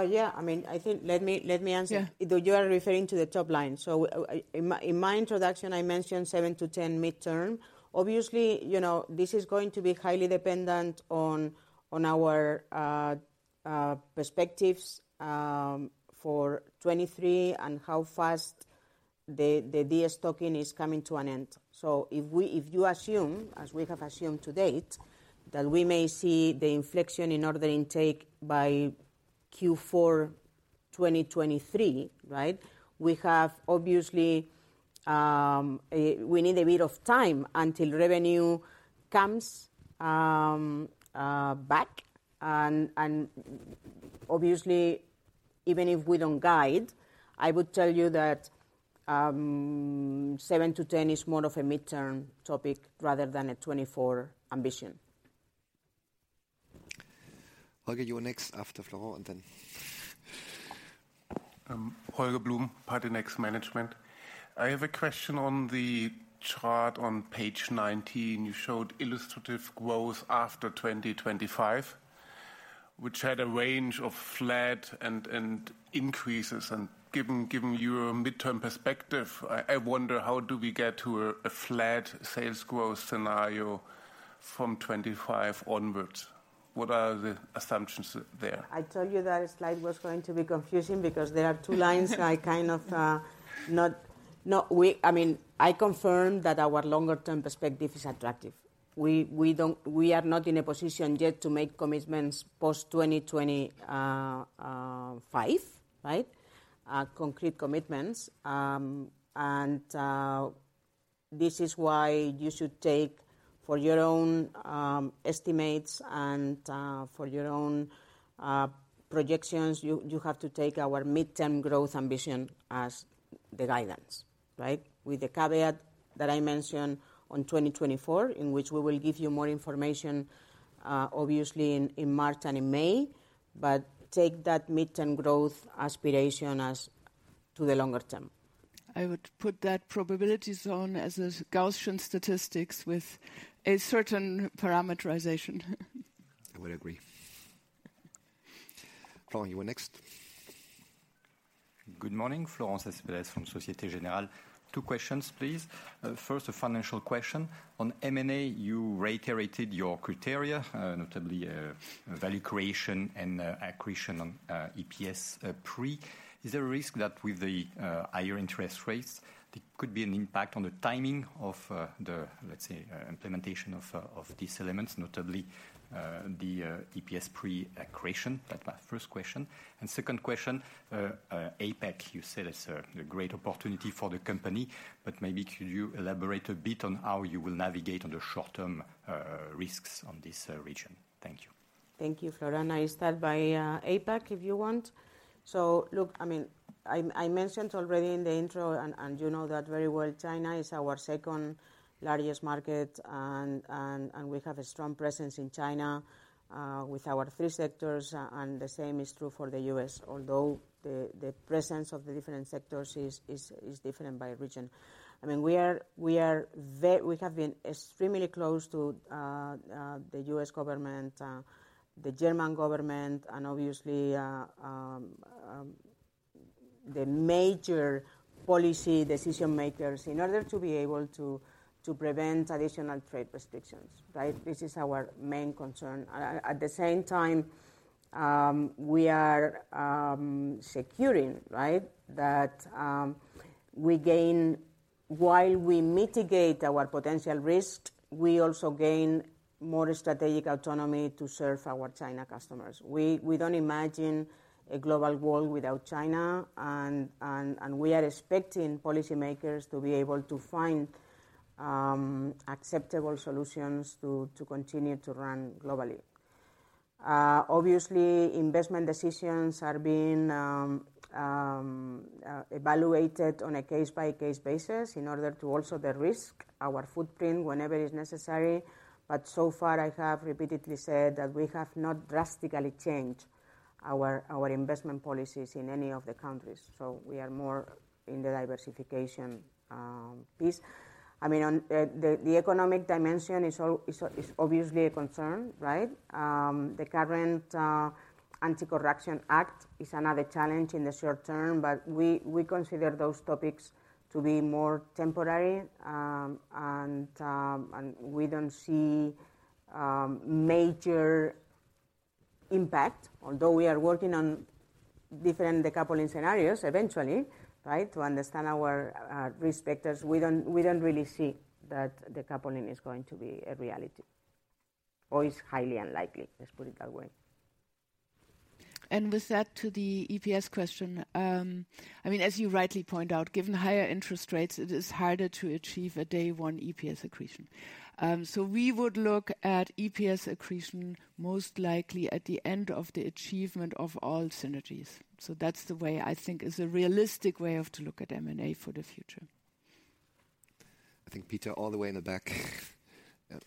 Yeah. I mean, I think let me answer. Yeah. You are referring to the top line. So in my introduction, I mentioned 7-10 midterm. Obviously, you know, this is going to be highly dependent on our perspectives for 2023 and how fast the destocking is coming to an end. So if you assume, as we have assumed to date, that we may see the inflection in order intake by Q4 2023, right? We have obviously we need a bit of time until revenue comes back. And obviously, even if we don't guide, I would tell you that 7-10 is more of a midterm topic rather than a 2024 ambition. Holger, you're next after Florent, and then.. Holger Blum, Piper Sandler. I have a question on the chart on page 19. You showed illustrative growth after 2025, which had a range of flat and increases, and given your midterm perspective, I wonder, how do we get to a flat sales growth scenario from 25 onwards? What are the assumptions there? I told you that slide was going to be confusing because there are two lines. I kind of, I mean, I confirm that our longer-term perspective is attractive. We don't. We are not in a position yet to make commitments post 2025, right? Concrete commitments. And this is why you should take for your own estimates and for your own projections, you have to take our midterm growth ambition as the guidance, right? With the caveat that I mentioned on 2024, in which we will give you more information, obviously in March and in May, but take that midterm growth aspiration as to the longer term. I would put that probability zone as a Gaussian statistics with a certain parameterization. I would agree. Florent, you are next. Good morning, Florent Cespedes from Société Générale. Two questions, please. First, a financial question: on M&A, you reiterated your criteria, notably, value creation and accretion on EPS pre. Is there a risk that with the higher interest rates, there could be an impact on the timing of the, let's say, implementation of these elements, notably the EPS accretion? That my first question. Second question: APAC, you said, it's a great opportunity for the company, but maybe could you elaborate a bit on how you will navigate on the short-term risks on this region? Thank you.... Thank you, Florent, and I start by APAC, if you want. So look, I mean, I mentioned already in the intro and you know that very well, China is our second largest market and we have a strong presence in China with our three sectors, and the same is true for the U.S., although the presence of the different sectors is different by region. I mean, We have been extremely close to the U.S. government, the German government, and obviously the major policy decision makers in order to be able to prevent additional trade restrictions, right? This is our main concern. At the same time, we are securing, right, that we gain—while we mitigate our potential risk, we also gain more strategic autonomy to serve our China customers. We don't imagine a global world without China, and we are expecting policymakers to be able to find acceptable solutions to continue to run globally. Obviously, investment decisions are being evaluated on a case-by-case basis in order to also de-risk our footprint whenever is necessary. But so far, I have repeatedly said that we have not drastically changed our investment policies in any of the countries. So we are more in the diversification piece. I mean, on the economic dimension is obviously a concern, right? The current anti-corruption act is another challenge in the short term, but we, we consider those topics to be more temporary. And we don't see major impact, although we are working on different decoupling scenarios eventually, right? To understand our risk factors. We don't, we don't really see that decoupling is going to be a reality, or is highly unlikely. Let's put it that way. With that, to the EPS question, I mean, as you rightly point out, given higher interest rates, it is harder to achieve a day one EPS accretion. So we would look at EPS accretion most likely at the end of the achievement of all synergies. So that's the way I think is a realistic way of to look at M&A for the future. I think, Peter, all the way in the back. Yep.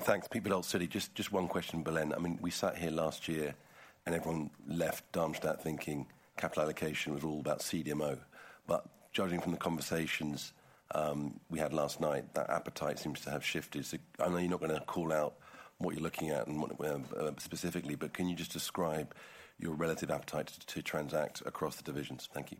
Thanks. Peter at Citi. Just one question, Belén. I mean, we sat here last year, and everyone left Darmstadt thinking capital allocation was all about CDMO. But judging from the conversations we had last night, that appetite seems to have shifted. So I know you're not gonna call out what you're looking at and what specifically, but can you just describe your relative appetite to transact across the divisions? Thank you.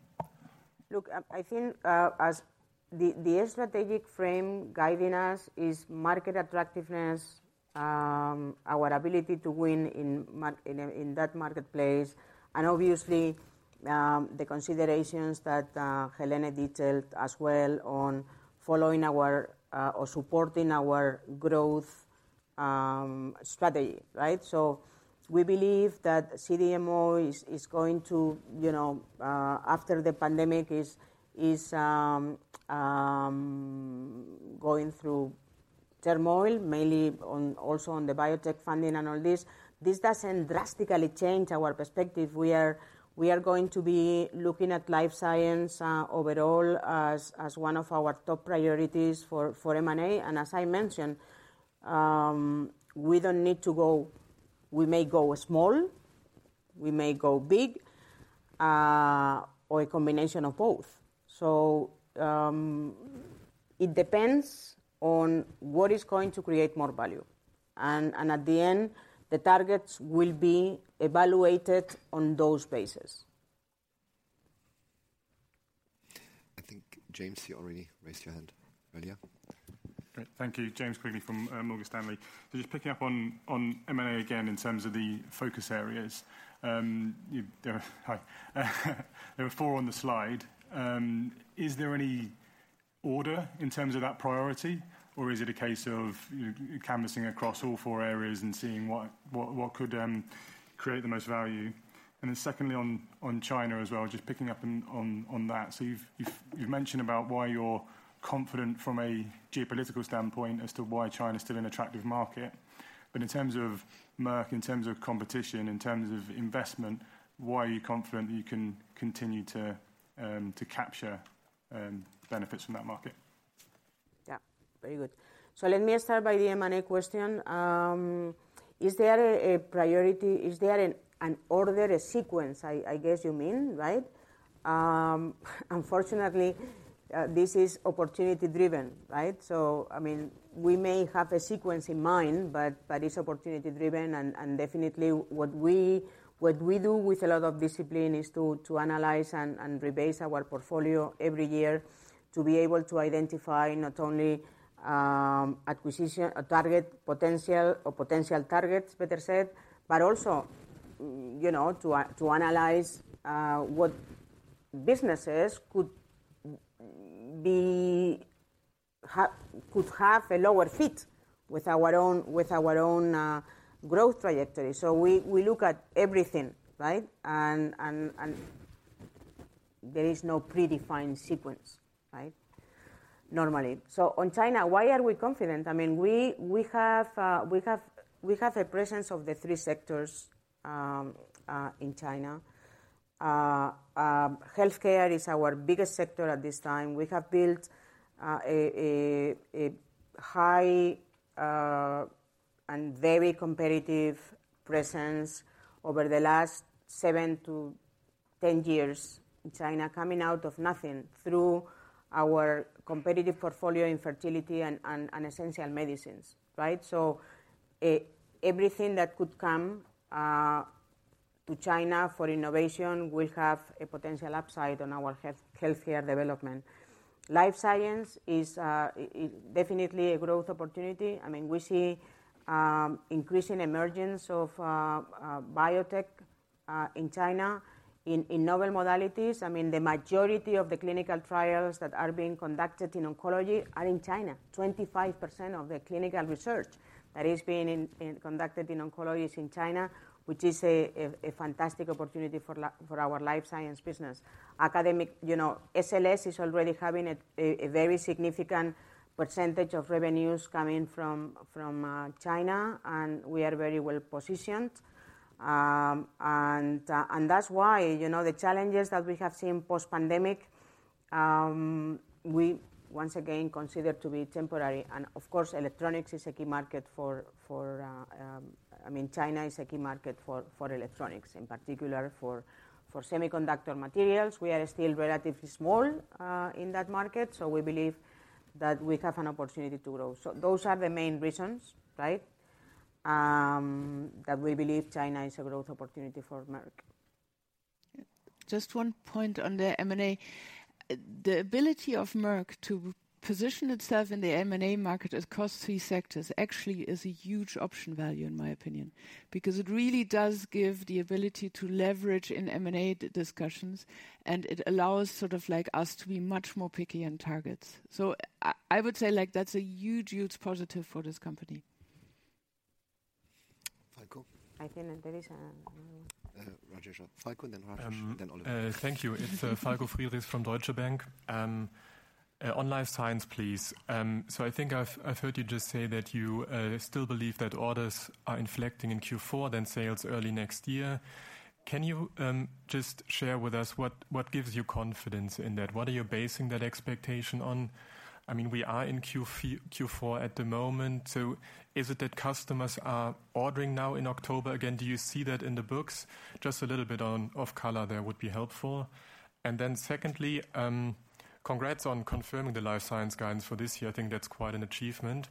Look, I think, as the strategic frame guiding us is market attractiveness, our ability to win in in that marketplace, and obviously, the considerations that Helene detailed as well on following our or supporting our growth strategy, right? So we believe that CDMO is going to, you know, after the pandemic, is going through turmoil, mainly on, also on the biotech funding and all this. This doesn't drastically change our perspective. We are going to be looking at Life Science overall as one of our top priorities for M&A. And as I mentioned, we don't need to go... We may go small, we may go big, or a combination of both. It depends on what is going to create more value, and at the end, the targets will be evaluated on those bases. I think, James, you already raised your hand earlier. Great. Thank you. James Quigley from Morgan Stanley. So just picking up on M&A again, in terms of the focus areas, you. Hi. There were four on the slide. Is there any order in terms of that priority, or is it a case of you canvassing across all four areas and seeing what could create the most value? And then secondly, on China as well, just picking up on that. So you've mentioned about why you're confident from a geopolitical standpoint as to why China is still an attractive market. But in terms of Merck, in terms of competition, in terms of investment, why are you confident that you can continue to capture benefits from that market? Yeah, very good. So let me start by the M&A question. Is there a priority? Is there an order, a sequence, I guess you mean, right? Unfortunately, this is opportunity driven, right? So, I mean, we may have a sequence in mind, but it's opportunity driven and definitely what we do with a lot of discipline is to analyze and rebase our portfolio every year to be able to identify not only acquisition target potential or potential targets, better said, but also, you know, to analyze what businesses could have a lower fit with our own growth trajectory. So we look at everything, right? And there is no predefined sequence, right? Normally. So on China, why are we confident? I mean, we have a presence of the three sectors in China. Healthcare is our biggest sector at this time. We have built a high and very competitive presence over the last 7-10 years in China, coming out of nothing, through our competitive portfolio in fertility and essential medicines, right? So everything that could come to China for innovation will have a potential upside on our Healthcare development. Life Science is definitely a growth opportunity. I mean, we see increasing emergence of biotech in China, in novel modalities. I mean, the majority of the clinical trials that are being conducted in oncology are in China. 25% of the clinical research that is being conducted in oncology is in China, which is a fantastic opportunity for our Life Science business. Academic, you know, SLS is already having a very significant percentage of revenues coming from China, and we are very well positioned. And that's why, you know, the challenges that we have seen post-pandemic, we once again consider to be temporary. And of course, Electronics is a key market for Electronics. I mean, China is a key market for Electronics, in particular for semiconductor materials. We are still relatively small in that market, so we believe that we have an opportunity to grow. So those are the main reasons, right, that we believe China is a growth opportunity for Merck. Just one point on the M&A. The ability of Merck to position itself in the M&A market across three sectors actually is a huge option value, in my opinion, because it really does give the ability to leverage in M&A discussions, and it allows sort of like us to be much more picky on targets. I, I would say, like, that's a huge, huge positive for this company. Falko? I think there is another one. Rajesh. Falko, then Rajesh, then Oliver. Thank you. It's Falko Friedrichs from Deutsche Bank. On Life Science, please. So I think I've heard you just say that you still believe that orders are inflecting in Q4, then sales early next year. Can you just share with us what gives you confidence in that? What are you basing that expectation on? I mean, we are in Q4 at the moment, so is it that customers are ordering now in October? Again, do you see that in the books? Just a little bit of color there would be helpful. And then secondly, congrats on confirming the Life Science guidance for this year. I think that's quite an achievement,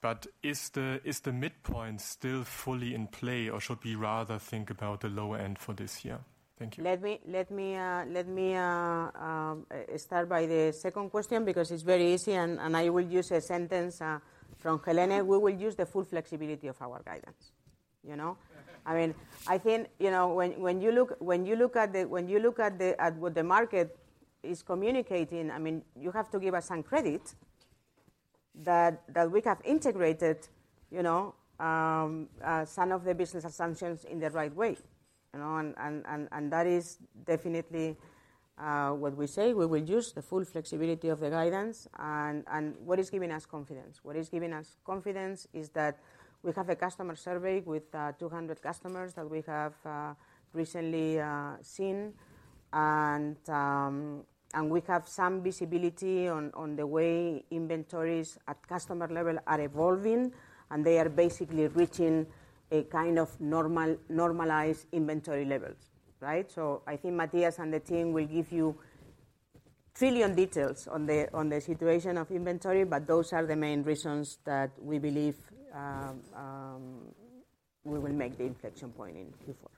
but is the midpoint still fully in play, or should we rather think about the lower end for this year? Thank you. Let me start by the second question because it's very easy, and I will use a sentence from Helene. We will use the full flexibility of our guidance, you know? I mean, I think, you know, when you look at what the market is communicating, I mean, you have to give us some credit that we have integrated, you know, some of the business assumptions in the right way, you know? And that is definitely what we say. We will use the full flexibility of the guidance. And what is giving us confidence? What is giving us confidence is that we have a customer survey with 200 customers that we have recently seen, and we have some visibility on the way inventories at customer level are evolving, and they are basically reaching a kind of normalized inventory levels, right? So I think Matthias and the team will give you a ton of details on the situation of inventory, but those are the main reasons that we believe we will make the inflection point in Q4.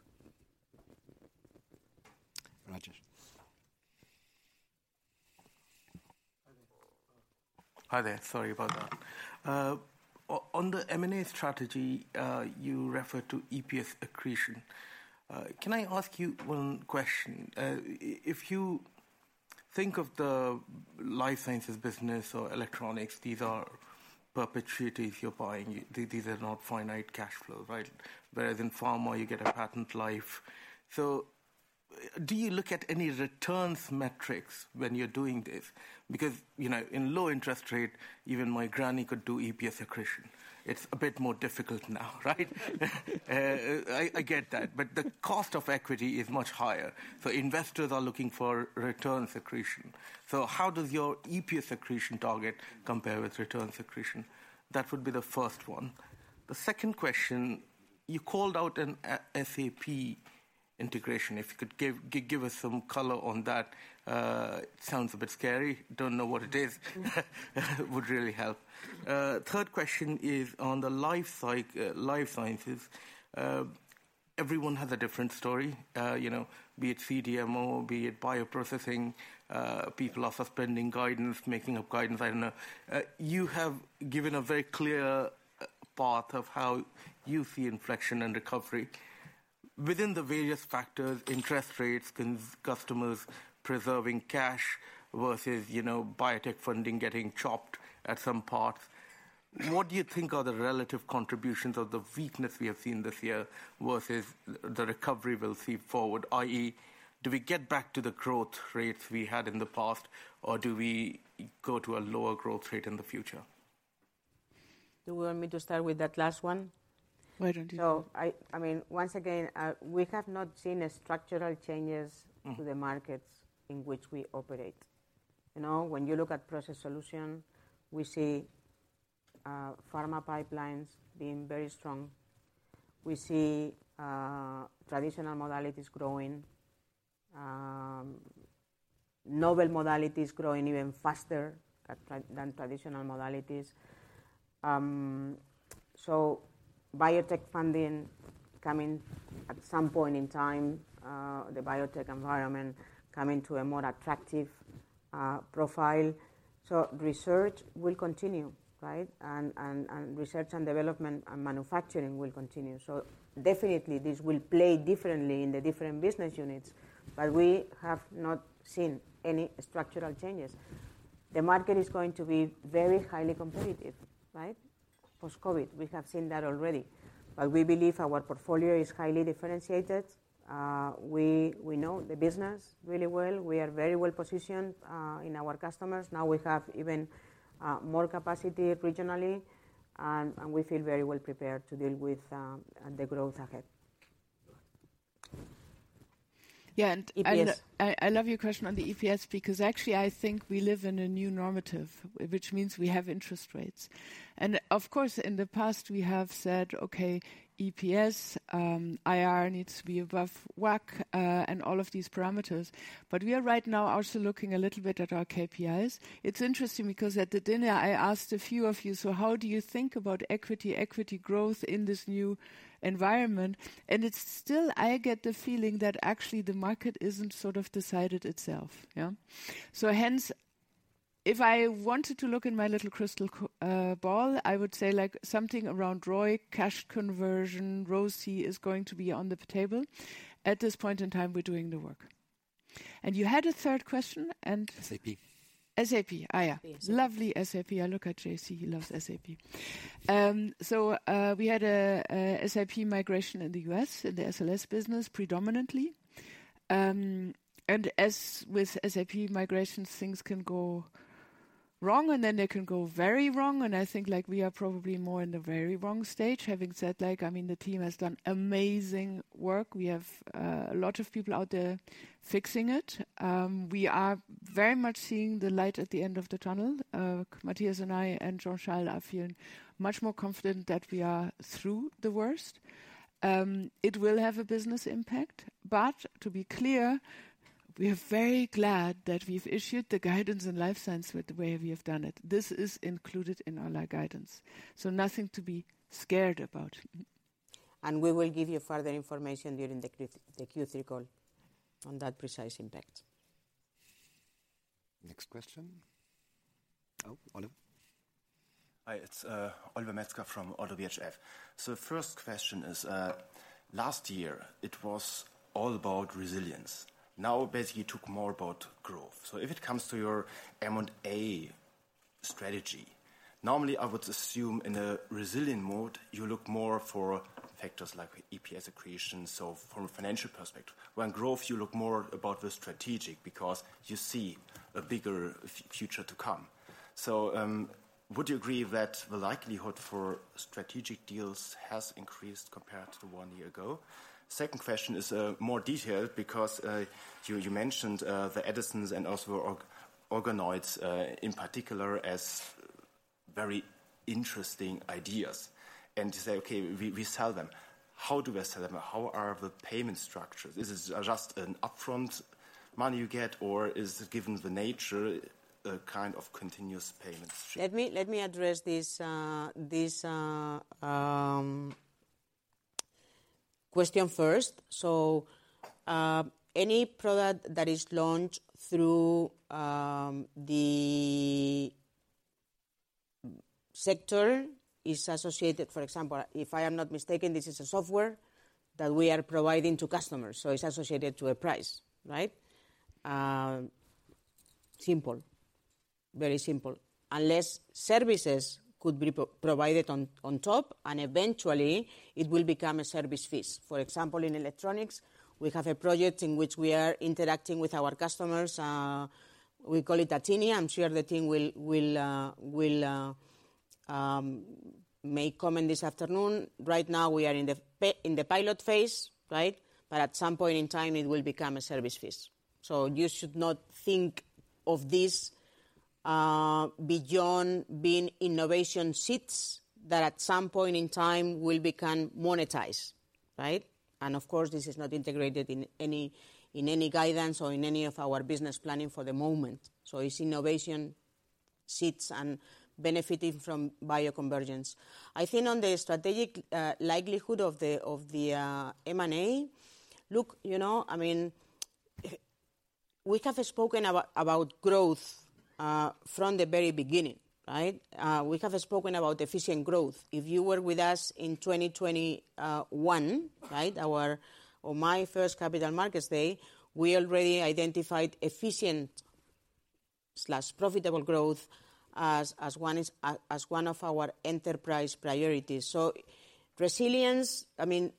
Rajesh. Hi there. Sorry about that. On the M&A strategy, you referred to EPS accretion. Can I ask you one question? If you think of the Life Sciences business or Electronics, these are perpetuities you're buying. These are not finite cash flows, right? Whereas in pharma, you get a patent life. So do you look at any returns metrics when you're doing this? Because, you know, in low interest rate, even my granny could do EPS accretion. It's a bit more difficult now, right? I get that, but the cost of equity is much higher, so investors are looking for return accretion. So how does your EPS accretion target compare with return accretion? That would be the first one. The second question, you called out a SAP integration. If you could give us some color on that. Sounds a bit scary. Don't know what it is. Would really help. Third question is on Life Sciences. Everyone has a different story, you know, be it CDMO, be it bioprocessing. People are suspending guidance, making up guidance. I don't know. You have given a very clear path of how you see inflection and recovery. Within the various factors, interest rates, customers preserving cash versus, you know, biotech funding getting chopped at some parts... what do you think are the relative contributions of the weakness we have seen this year versus the recovery we'll see forward? i.e., do we get back to the growth rates we had in the past, or do we go to a lower growth rate in the future? Do you want me to start with that last one? Why don't you? I mean, once again, we have not seen structural changes. Mm. to the markets in which we operate. You know, when you look Process Solutions, we see pharma pipelines being very strong. We see traditional modalities growing, novel modalities growing even faster than traditional modalities. So biotech funding coming at some point in time, the biotech environment coming to a more attractive profile. So research will continue, right? And research and development and manufacturing will continue. So definitely this will play differently in the different business units, but we have not seen any structural changes. The market is going to be very highly competitive, right? Post-COVID, we have seen that already. But we believe our portfolio is highly differentiated. We know the business really well. We are very well positioned in our customers. Now we have even more capacity regionally, and we feel very well prepared to deal with the growth ahead. Yeah, and- EPS. I love your question on the EPS, because actually I think we live in a new normative, which means we have interest rates. And of course, in the past we have said, "Okay, EPS, IRR needs to be above WACC, and all of these parameters." But we are right now also looking a little bit at our KPIs. It's interesting because at the dinner I asked a few of you: "So how do you think about equity, equity growth in this new environment?" And it's still, I get the feeling that actually the market isn't sort of decided itself, yeah? So hence, if I wanted to look in my little crystal ball, I would say like something around ROIC, cash conversion, ROCE is going to be on the table. At this point in time, we're doing the work. You had a third question, and SAP. SAP. Ah, yeah. SAP. Lovely SAP. I look at JC, he loves SAP. So, we had a SAP migration in the U.S., in the SLS business, predominantly. And as with SAP migrations, things can go wrong, and then they can go very wrong, and I think like we are probably more in the very wrong stage. Having said that, I mean, the team has done amazing work. We have a lot of people out there fixing it. We are very much seeing the light at the end of the tunnel. Matthias and I and Jean-Charles are feeling much more confident that we are through the worst. It will have a business impact, but to be clear, we are very glad that we've issued the guidance in Life Science with the way we have done it. This is included in all our guidance, so nothing to be scared about. We will give you further information during the Q3, the Q3 call on that precise impact. Next question. Oh, Oliver. Hi, it's Oliver Metzger from Oddo BHF. So the first question is, last year it was all about resilience. Now, basically, you talk more about growth. So if it comes to your M&A strategy, normally I would assume in a resilient mode, you look more for factors like EPS accretion. So from a financial perspective. When growth, you look more about the strategic because you see a bigger future to come. So, would you agree that the likelihood for strategic deals has increased compared to one year ago? Second question is, more detailed because, you mentioned, the exosomes and also organoids, in particular as very interesting ideas and say, "Okay, we sell them." How do we sell them? How are the payment structures? Is it just an upfront money you get, or is it, given the nature, a kind of continuous payment stream? Let me address this question first. So, any product that is launched through the sector is associated... For example, if I am not mistaken, this is a software that we are providing to customers, so it's associated to a price, right? Simple. Very simple. Unless services could be provided on top, and eventually it will become a service fee. For example, in Electronics, we have a project in which we are interacting with our customers. We call it Athinia. I'm sure the team will make comment this afternoon. Right now, we are in the pilot phase, right? But at some point in time it will become a service fee. So you should not think of this, beyond being innovation seeds, that at some point in time will become monetized, right? And of course, this is not integrated in any guidance or in any of our business planning for the moment. So it's innovation seeds and benefiting from bioconvergence. I think on the strategic likelihood of the M&A, look, you know, I mean, we have spoken about growth from the very beginning, right? We have spoken about efficient growth. If you were with us in 2021, right? Our or my first Capital Markets Day, we already identified efficient slash profitable growth as one of our enterprise priorities. So resilience, I mean,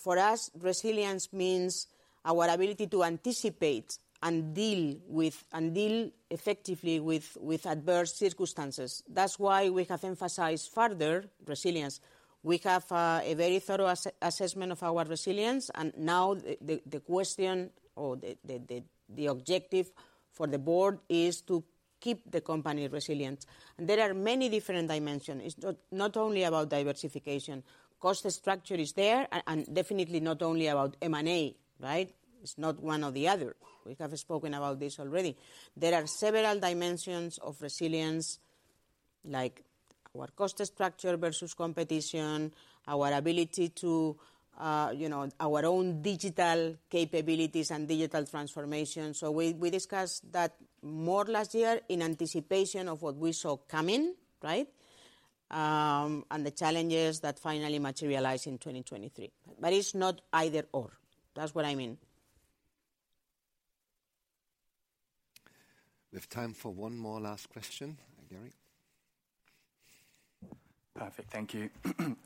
for us, resilience means our ability to anticipate and deal with, and deal effectively with adverse circumstances. That's why we have emphasized further resilience. We have a very thorough assessment of our resilience, and now the question or the objective for the board is to keep the company resilient. And there are many different dimensions. It's not only about diversification. Cost structure is there, and definitely not only about M&A, right? It's not one or the other. We have spoken about this already. There are several dimensions of resilience, like our cost structure versus competition, our ability to, you know, our own digital capabilities and digital transformation. So we discussed that more last year in anticipation of what we saw coming, right? And the challenges that finally materialized in 2023. But it's not either/or. That's what I mean. We have time for one more last question. Gary? Perfect. Thank you.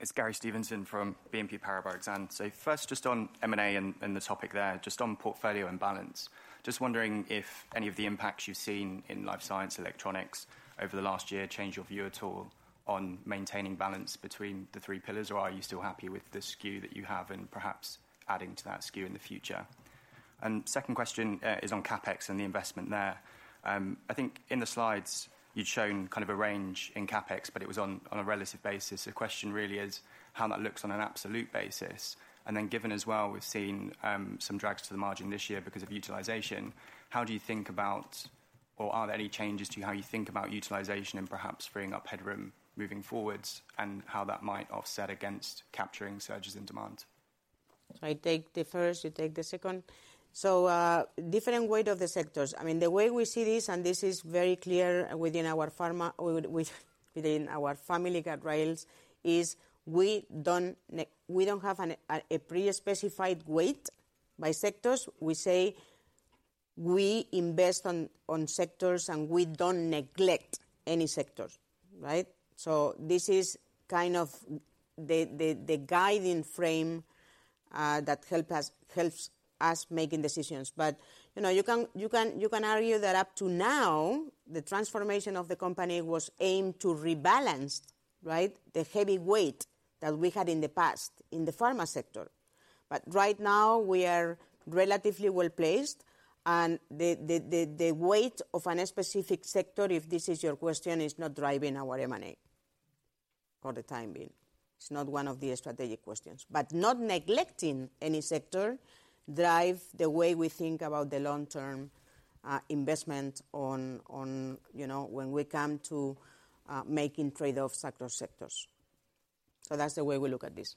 It's Gary Steventon from BNP Paribas Exane. So first, just on M&A and the topic there, just on portfolio and balance. Just wondering if any of the impacts you've seen in Life Science, Electronics over the last year changed your view at all on maintaining balance between the three pillars, or are you still happy with the skew that you have and perhaps adding to that skew in the future? And second question, is on CapEx and the investment there. I think in the slides you'd shown kind of a range in CapEx, but it was on a relative basis. The question really is how that looks on an absolute basis, and then given as well, we've seen some drags to the margin this year because of utilization. How do you think about, or are there any changes to how you think about utilization and perhaps freeing up headroom moving forward, and how that might offset against capturing surges in demand? I take the first, you take the second. So, different weight of the sectors. I mean, the way we see this, and this is very clear within our pharma, within our family guardrails, is we don't have a pre-specified weight by sectors. We say we invest on sectors, and we don't neglect any sectors, right? So this is kind of the guiding frame that helps us making decisions. But, you know, you can argue that up to now, the transformation of the company was aimed to rebalance, right, the heavy weight that we had in the past in the pharma sector. But right now, we are relatively well-placed, and the weight of any specific sector, if this is your question, is not driving our M&A for the time being. It's not one of the strategic questions. But not neglecting any sector drive the way we think about the long-term, investment on, you know, when we come to making trade-off sector, sectors. So that's the way we look at this.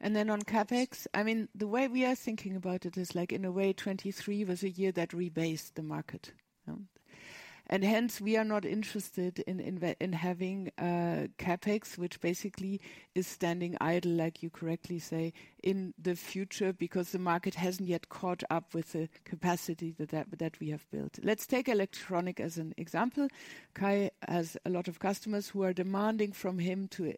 And then on CapEx, I mean, the way we are thinking about it is, like, in a way, 2023 was a year that rebased the market, and hence, we are not interested in having CapEx, which basically is standing idle, like you correctly say, in the future because the market hasn't yet caught up with the capacity that we have built. Let's take Electronics as an example. Kai has a lot of customers who are demanding from him to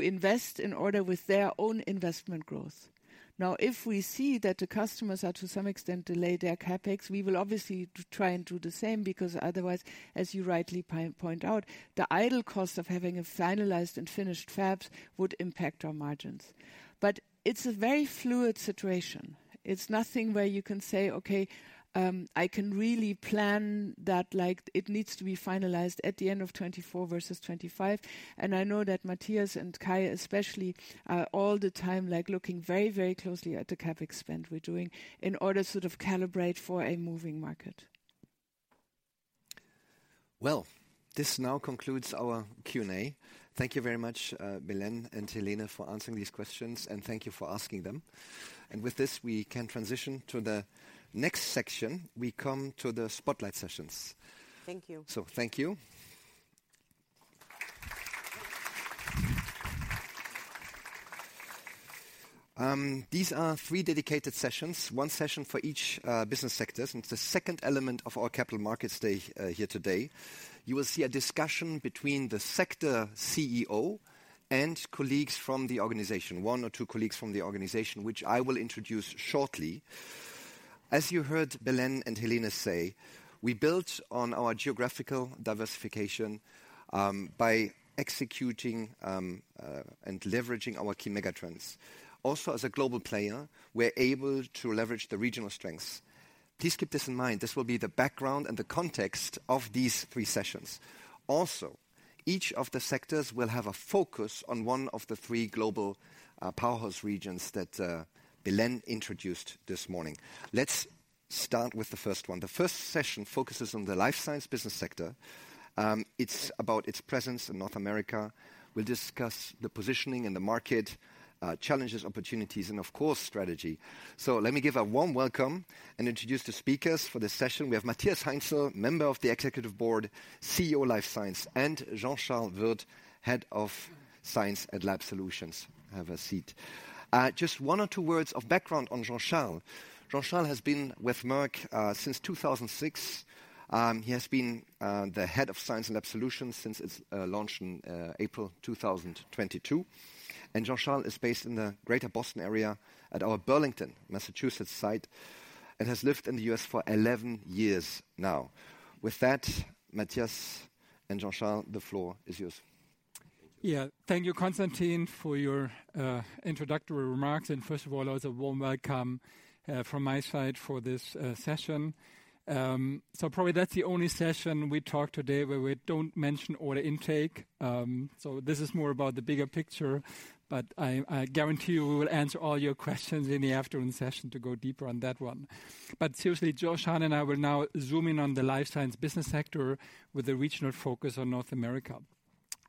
invest in order with their own investment growth. Now, if we see that the customers are to some extent delay their CapEx, we will obviously try and do the same, because otherwise, as you rightly point out, the idle cost of having a finalized and finished fabs would impact our margins. But it's a very fluid situation. It's nothing where you can say, "Okay, I can really plan that," like, it needs to be finalized at the end of 2024 versus 2025. And I know that Matthias and Kai especially, are all the time, like, looking very, very closely at the CapEx spend we're doing in order to sort of calibrate for a moving market. Well, this now concludes our Q&A. Thank you very much, Belén and Helene, for answering these questions, and thank you for asking them. With this, we can transition to the next section. We come to the spotlight sessions. Thank you. So thank you. These are three dedicated sessions, one session for each business sectors, and it's the second element of our Capital Markets Day here today. You will see a discussion between the sector CEO and colleagues from the organization, one or two colleagues from the organization, which I will introduce shortly. As you heard Belén and Helene say, we built on our geographical diversification by executing and leveraging our key megatrends. Also, as a global player, we're able to leverage the regional strengths. Please keep this in mind. This will be the background and the context of these three sessions. Also, each of the sectors will have a focus on one of the three global powerhouse regions that Belén introduced this morning. Let's start with the first one. The first session focuses on the Life Science business sector. It's about its presence in North America. We'll discuss the positioning in the market, challenges, opportunities, and of course, strategy. So let me give a warm welcome and introduce the speakers for this session. We have Matthias Heinzel, Member of the Executive Board, CEO, Life Science, and Jean-Charles Wirth, Head of Science & Lab Solutions. Have a seat. Just one or two words of background on Jean-Charles. Jean-Charles has been with Merck since 2006. He has been the Head of Science & Lab Solutions since its launch in April 2022. And Jean-Charles is based in the Greater Boston area at our Burlington, Massachusetts, site, and has lived in the US for 11 years now. With that, Matthias and Jean-Charles, the floor is yours. Yeah. Thank you, Constantin, for your introductory remarks. And first of all, also a warm welcome from my side for this session. So probably that's the only session we talk today where we don't mention order intake. So this is more about the bigger picture, but I, I guarantee you, we will answer all your questions in the afternoon session to go deeper on that one. But seriously, Jean-Charles and I will now zoom in on the Life Science business sector with a regional focus on North America.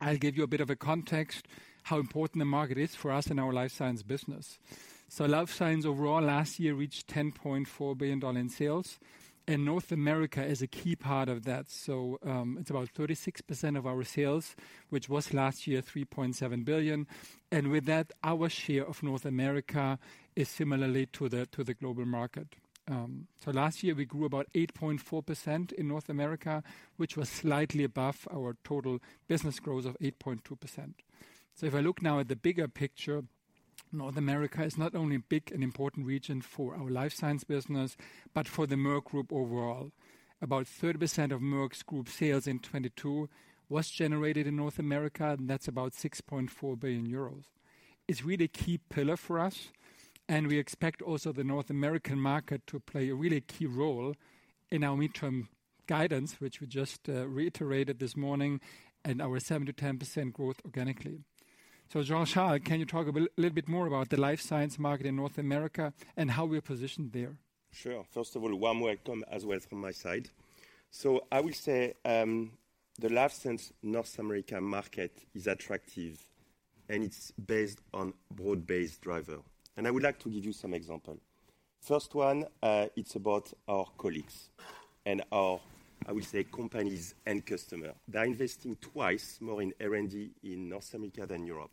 I'll give you a bit of a context, how important the market is for us in our Life Science business. So Life Science overall, last year reached $10.4 billion in sales, and North America is a key part of that. It's about 36% of our sales, which was last year, 3.7 billion. And with that, our share of North America is similarly to the global market. Last year we grew about 8.4% in North America, which was slightly above our total business growth of 8.2%. If I look now at the bigger picture, North America is not only a big and important region for our Life Science business, but for the Merck Group overall. About 30% of Merck's Group sales in 2022 was generated in North America, and that's about 6.4 billion euros. It's really a key pillar for us, and we expect also the North American market to play a really key role in our midterm guidance, which we just reiterated this morning in our 7%-10% growth organically. So, Jean-Charles, can you talk a bit, little bit more about the Life Science market in North America and how we're positioned there? Sure. First of all, warm welcome as well from my side. So I will say, the Life Science North America market is attractive, and it's based on broad-based driver. And I would like to give you some example. First one, it's about our colleagues and our, I will say, companies and customer. They're investing twice more in R&D in North America than Europe.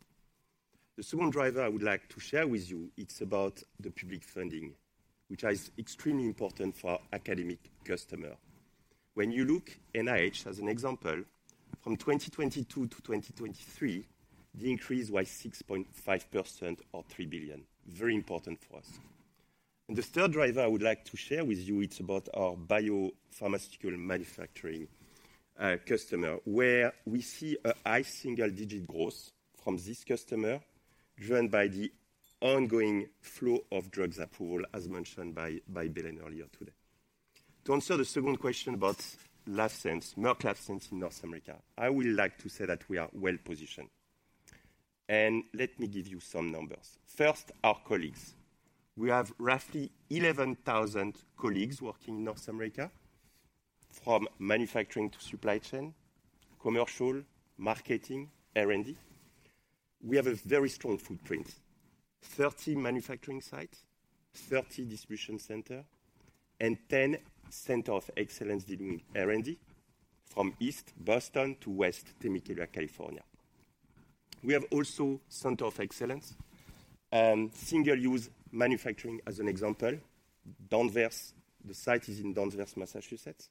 The second driver I would like to share with you, it's about the public funding, which is extremely important for our academic customer. When you look at NIH as an example, from 2022 to 2023, the increase was 6.5% or $3 billion. Very important for us. The third driver I would like to share with you, it's about our biopharmaceutical manufacturing customer, where we see a high single-digit growth from this customer, driven by the ongoing flow of drugs approval, as mentioned by Belén earlier today. To answer the second question about Life Science, Merck Life Science in North America, I would like to say that we are well positioned, and let me give you some numbers. First, our colleagues. We have roughly 11,000 colleagues working in North America, from manufacturing to supply chain, commercial, marketing, R&D. We have a very strong footprint: 30 manufacturing sites, 30 distribution centers, and 10 centers of excellence dealing with R&D from East Boston to West Temecula, California. We have also center of excellence, single-use manufacturing, as an example. Danvers, the site is in Danvers, Massachusetts.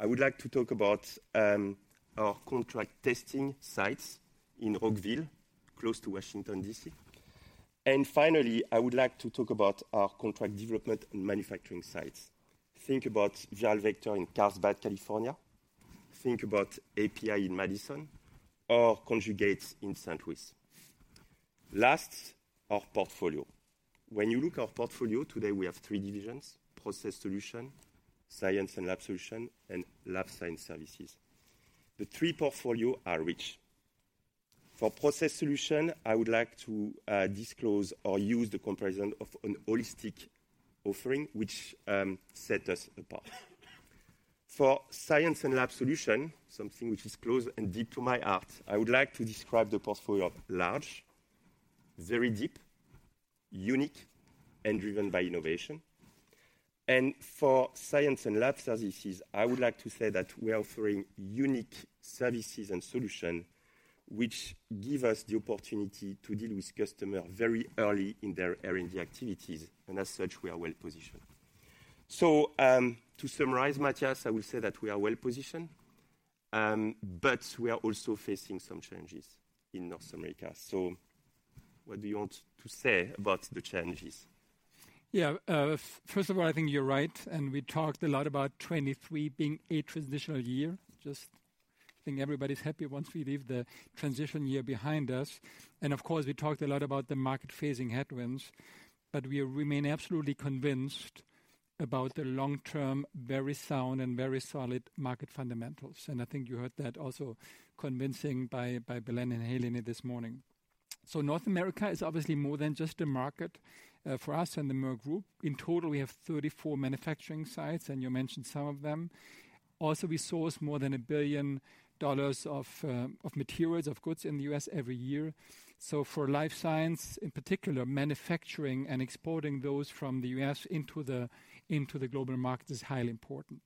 I would like to talk about our contract testing sites in Rockville, close to Washington, D.C. Finally, I would like to talk about our contract development and manufacturing sites. Think about viral vector in Carlsbad, California. Think about API in Madison or conjugates in St. Louis. Last, our portfolio. When you look our portfolio, today, we have three process solutions, Science & Lab Solutions, and Life Science Services. The three portfolio are rich. Process Solutions, i would like to disclose or use the comparison of an holistic offering, which set us apart. For Science & Lab Solutions, something which is close and dear to my heart, I would like to describe the portfolio large, very deep, unique, and driven by innovation. For science and lab services, I would like to say that we are offering unique services and solution, which give us the opportunity to deal with customer very early in their R&D activities, and as such, we are well positioned. So, to summarize, Matthias, I will say that we are well positioned, but we are also facing some challenges in North America. So what do you want to say about the challenges? Yeah. First of all, I think you're right, and we talked a lot about 2023 being a transitional year. Just think everybody's happy once we leave the transition year behind us. And of course, we talked a lot about the market facing headwinds, but we remain absolutely convinced about the long-term, very sound and very solid market fundamentals, and I think you heard that also convincingly by Belén and Helene this morning. So North America is obviously more than just a market for us and the Merck Group. In total, we have 34 manufacturing sites, and you mentioned some of them. Also, we source more than $1 billion of materials and goods in the U.S. every year. So for Life Science, in particular, manufacturing and exporting those from the U.S. into the global market is highly important.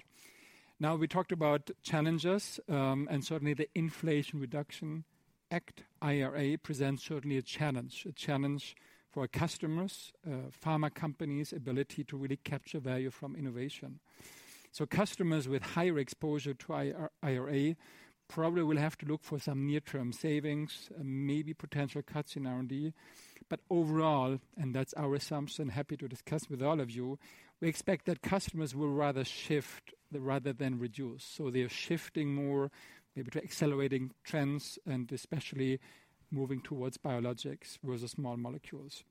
Now, we talked about challenges, and certainly the Inflation Reduction Act, IRA, presents certainly a challenge. A challenge for our customers, pharma companies' ability to really capture value from innovation. So customers with higher exposure to IRA probably will have to look for some near-term savings and maybe potential cuts in R&D. But overall, and that's our assumption, happy to discuss with all of you, we expect that customers will rather shift rather than reduce. So they are shifting more, maybe to accelerating trends and especially moving towards biologics versus small molecules.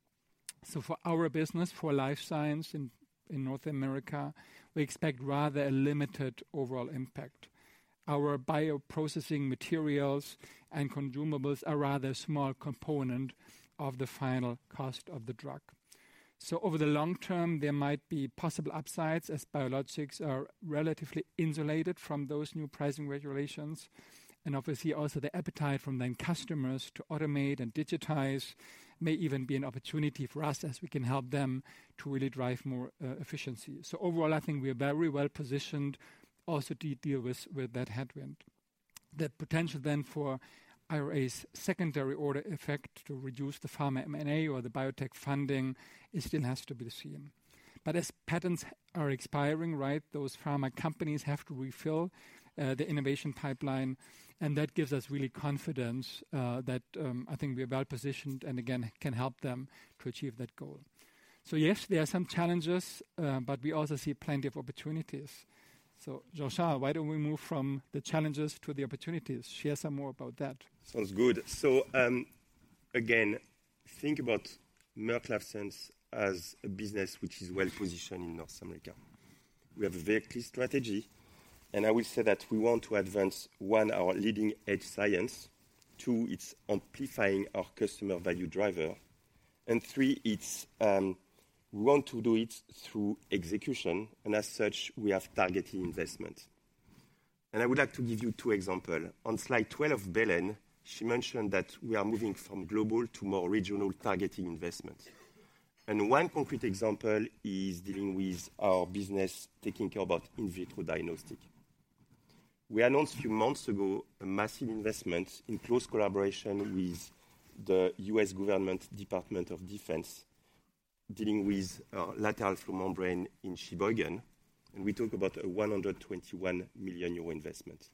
So for our business, for Life Science in North America, we expect rather a limited overall impact. Our bioprocessing materials and consumables are rather a small component of the final cost of the drug. So over the long term, there might be possible upsides as biologics are relatively insulated from those new pricing regulations. Obviously, also the appetite from then customers to automate and digitize may even be an opportunity for us as we can help them to really drive more efficiency. Overall, I think we are very well positioned also to deal with that headwind. The potential then for IRA's secondary order effect to reduce the pharma M&A or the biotech funding, it still has to be seen. But as patents are expiring, right, those pharma companies have to refill the innovation pipeline, and that gives us really confidence that I think we are well positioned and again, can help them to achieve that goal. Yes, there are some challenges, but we also see plenty of opportunities. Jean-Charles, why don't we move from the challenges to the opportunities? Share some more about that. Sounds good. So, again, think about Merck Life Science as a business which is well positioned in North America. We have a very clear strategy, and I will say that we want to advance, one, our leading-edge science. Two, it's amplifying our customer value driver. And three, it's, we want to do it through execution, and as such, we have targeted investment. And I would like to give you two example. On slide 12 of Belén, she mentioned that we are moving from global to more regional targeted investment. And one concrete example is dealing with our business, taking care about in vitro diagnostic. We announced a few months ago a massive investment in close collaboration with the U.S. government, Department of Defense, dealing with, lateral flow membrane in Sheboygan, and we talk about a 121 million euro investment.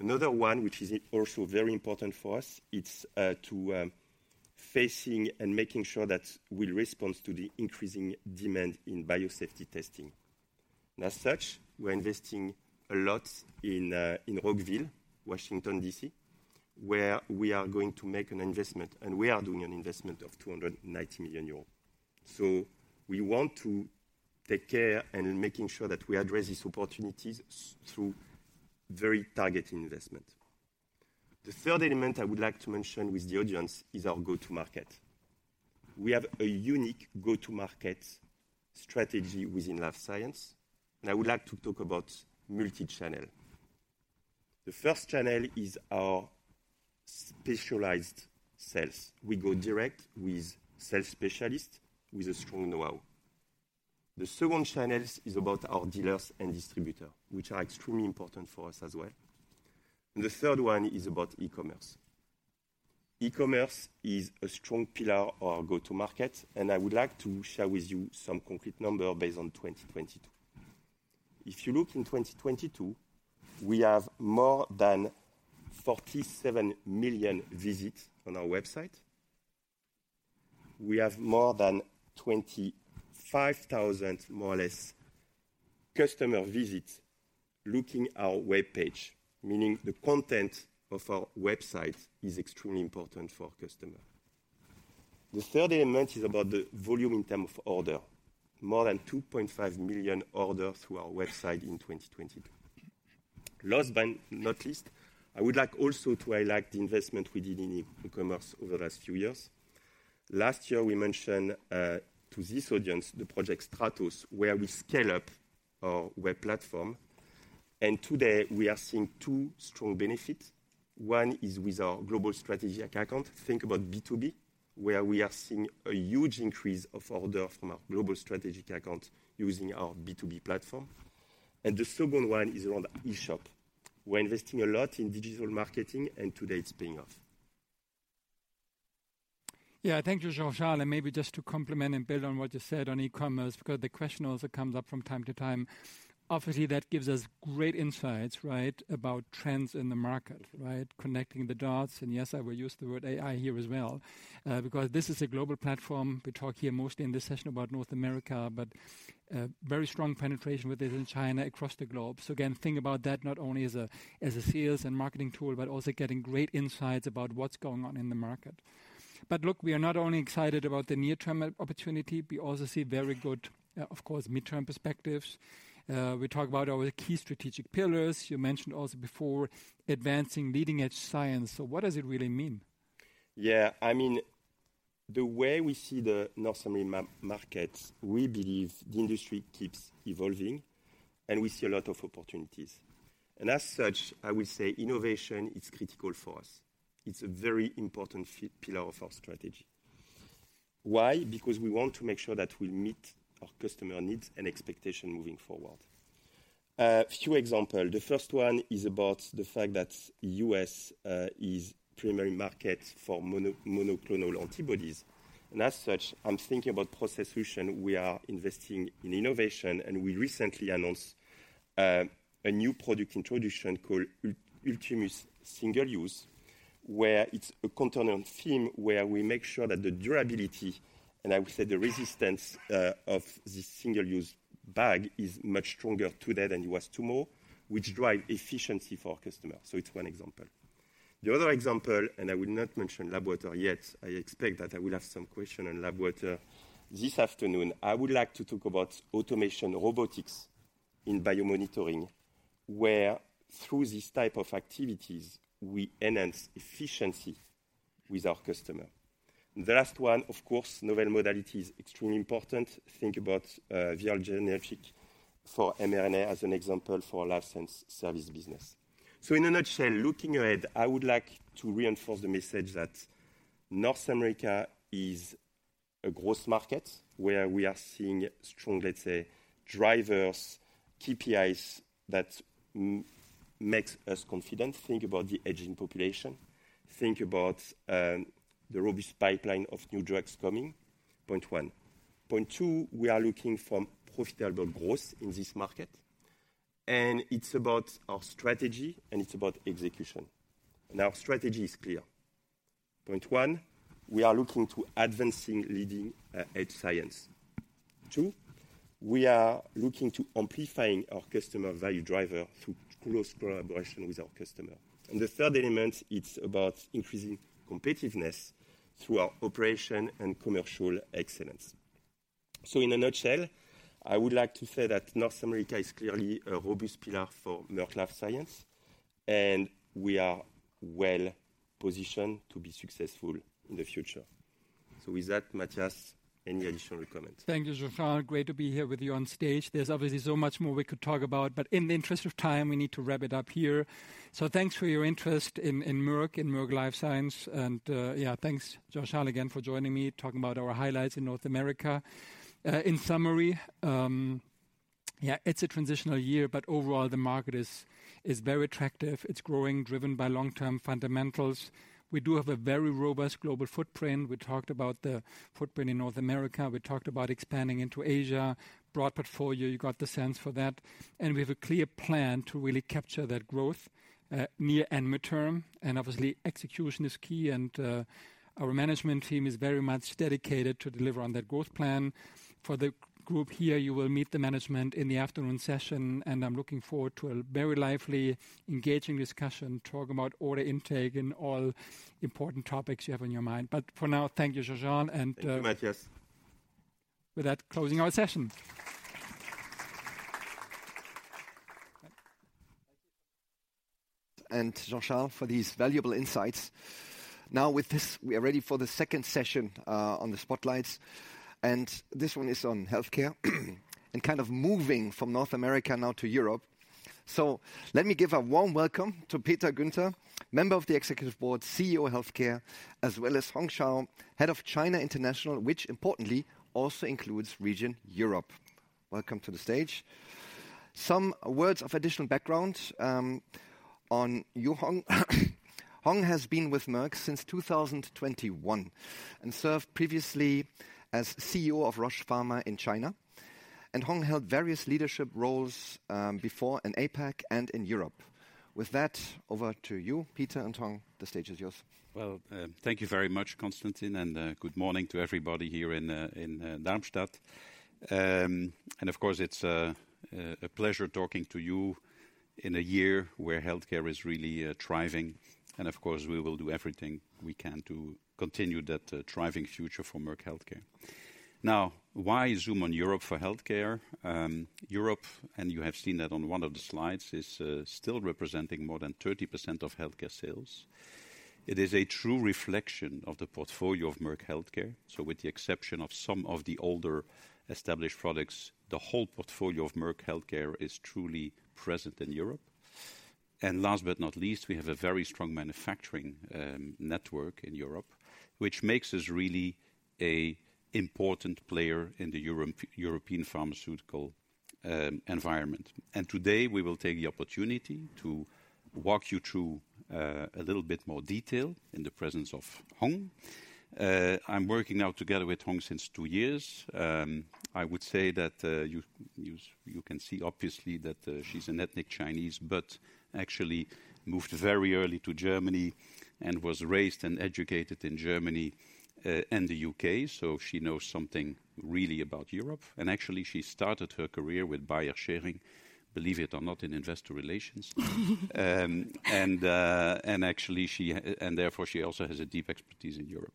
Another one, which is also very important for us, it's to facing and making sure that we respond to the increasing demand in biosafety testing. And as such, we're investing a lot in Rockville, Washington, D.C., where we are going to make an investment, and we are doing an investment of 290 million euros. So we want to take care and making sure that we address these opportunities through very targeted investment. The third element I would like to mention with the audience is our go-to-market. We have a unique go-to-market strategy within Life Science, and I would like to talk about multi-channel. The first channel is our specialized sales. We go direct with sales specialists with a strong know-how. The second channels is about our dealers and distributor, which are extremely important for us as well. The third one is about e-commerce. E-commerce is a strong pillar of our go-to-market, and I would like to share with you some concrete number based on 2022. If you look in 2022, we have more than 47 million visits on our website. We have more than 25,000, more or less, customer visits looking our web page, meaning the content of our website is extremely important for our customer. The third element is about the volume in term of order. More than 2.5 million order through our website in 2022. Last but not least, I would like also to highlight the investment we did in e-commerce over the last few years. Last year, we mentioned to this audience, the project Stratus, where we scale up our web platform, and today we are seeing two strong benefits. One is with our global strategic account. Think about B2B, where we are seeing a huge increase of order from our global strategic account using our B2B platform. And the second one is around e-shop. We're investing a lot in digital marketing, and today it's paying off. Yeah, thank you, Jean-Charles. And maybe just to complement and build on what you said on e-commerce, because the question also comes up from time to time. Obviously, that gives us great insights, right, about trends in the market, right? Connecting the dots, and yes, I will use the word AI here as well, because this is a global platform. We talk here mostly in this session about North America, but very strong penetration with this in China, across the globe. So again, think about that not only as a sales and marketing tool, but also getting great insights about what's going on in the market. But look, we are not only excited about the near-term opportunity, we also see very good, of course, midterm perspectives. We talk about our key strategic pillars. You mentioned also before advancing leading-edge science. So what does it really mean? Yeah, I mean, the way we see the North American markets, we believe the industry keeps evolving, and we see a lot of opportunities. And as such, I will say innovation is critical for us. It's a very important pillar of our strategy. Why? Because we want to make sure that we meet our customer needs and expectation moving forward. Few example, the first one is about the fact that US is primary market for monoclonal antibodies, and as such, I'm thinking Process Solutions. we are investing in innovation, and we recently announced a new product introduction called Ultimus Single Use, where it's a container film, where we make sure that the durability, and I would say the resistance of this single-use bag is much stronger today than it was tomorrow, which drive efficiency for our customers. So it's one example. The other example, and I will not mention Lab Water yet. I expect that I will have some question on Lab Water this afternoon. I would like to talk about automation robotics in biomonitoring, where through this type of activities, we enhance efficiency with our customer. The last one, of course, novel modality is extremely important. Think about viral, genetic for mRNA as an example for Life Science Services. So in a nutshell, looking ahead, I would like to reinforce the message that North America is a growth market, where we are seeing strong, let's say, drivers, KPIs, that makes us confident. Think about the aging population. Think about the robust pipeline of new drugs coming, point one. Point two, we are looking for profitable growth in this market, and it's about our strategy, and it's about execution. Our strategy is clear. Point 1: we are looking to advancing leading edge science. 2, we are looking to amplifying our customer value driver through close collaboration with our customer. And the third element, it's about increasing competitiveness through our operation and commercial excellence. So in a nutshell, I would like to say that North America is clearly a robust pillar for Merck Life Science, and we are well-positioned to be successful in the future. So with that, Matthias, any additional comments? Thank you, Jean-Charles. Great to be here with you on stage. There's obviously so much more we could talk about, but in the interest of time, we need to wrap it up here. So thanks for your interest in Merck, in Merck Life Science. And thanks, Jean-Charles, again for joining me, talking about our highlights in North America. In summary, it's a transitional year, but overall, the market is very attractive. It's growing, driven by long-term fundamentals. We do have a very robust global footprint. We talked about the footprint in North America. We talked about expanding into Asia, broad portfolio, you got the sense for that. And we have a clear plan to really capture that growth, near and midterm. And obviously, execution is key, and our management team is very much dedicated to deliver on that growth plan. For the group here, you will meet the management in the afternoon session, and I'm looking forward to a very lively, engaging discussion, talking about order intake and all important topics you have on your mind. But for now, thank you, Jean-Charles, and. Thank you, Matthias. With that, closing our session. Jean-Charles for these valuable insights. Now with this, we are ready for the second session, on the spotlights, and this one is on Healthcare. Kind of moving from North America now to Europe. So let me give a warm welcome to Peter Guenter, Member of the Executive Board, CEO of Healthcare, as well as Hong Chow, Head of China International, which importantly, also includes Region Europe. Welcome to the stage. Some words of additional background, on you, Hong. Hong has been with Merck since 2021 and served previously as CEO of Roche Pharma in China, and Hong held various leadership roles, before in APAC and in Europe. With that, over to you, Peter and Hong, the stage is yours. Well, thank you very much, Constantin, and good morning to everybody here in Darmstadt. And of course, it's a pleasure talking to you in a year where Healthcare is really thriving. And of course, we will do everything we can to continue that thriving future for Merck Healthcare. Now, why zoom on Europe for Healthcare? Europe, and you have seen that on one of the slides, is still representing more than 30% of Healthcare sales. It is a true reflection of the portfolio of Merck Healthcare. So with the exception of some of the older established products, the whole portfolio of Merck Healthcare is truly present in Europe. And last but not least, we have a very strong manufacturing network in Europe, which makes us really a important player in the European pharmaceutical environment. Today, we will take the opportunity to walk you through a little bit more detail in the presence of Hong. I'm working now together with Hong since two years. I would say that you can see obviously that she's an ethnic Chinese, but actually moved very early to Germany and was raised and educated in Germany and the UK, so she knows something really about Europe. And actually, she started her career with Bayer Schering, believe it or not, in investor relations. And therefore, she also has a deep expertise in Europe.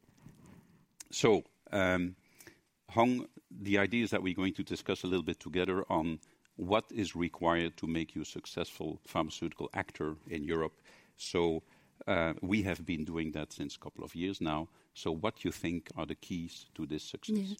Hong, the idea is that we're going to discuss a little bit together on what is required to make you a successful pharmaceutical actor in Europe. We have been doing that since a couple of years now. So what you think are the keys to this success? Yeah.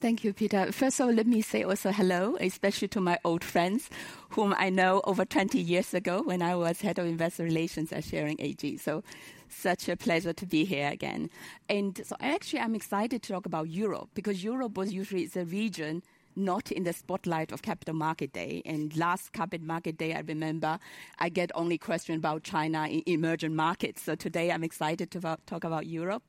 Thank you, Peter. First of all, let me say also hello, especially to my old friends, whom I know over 20 years ago when I was head of investor relations at Schering AG. So such a pleasure to be here again. And so actually, I'm excited to talk about Europe, because Europe was usually the region not in the spotlight of Capital Market Day, and last Capital Market Day, I remember I get only question about China and emerging markets. So today, I'm excited to talk about Europe.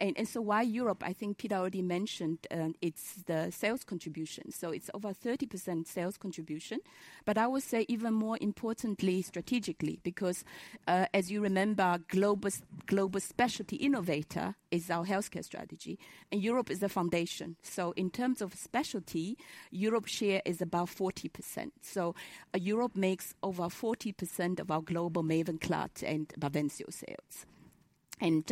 And so why Europe? I think Peter already mentioned, it's the sales contribution, so it's over 30% sales contribution. But I would say even more importantly, strategically, because, as you remember, global specialty innovator is our Healthcare strategy, and Europe is the foundation. So in terms of specialty, Europe's share is about 40%. So Europe makes over 40% of our global Mavenclad and Bavencio sales. And,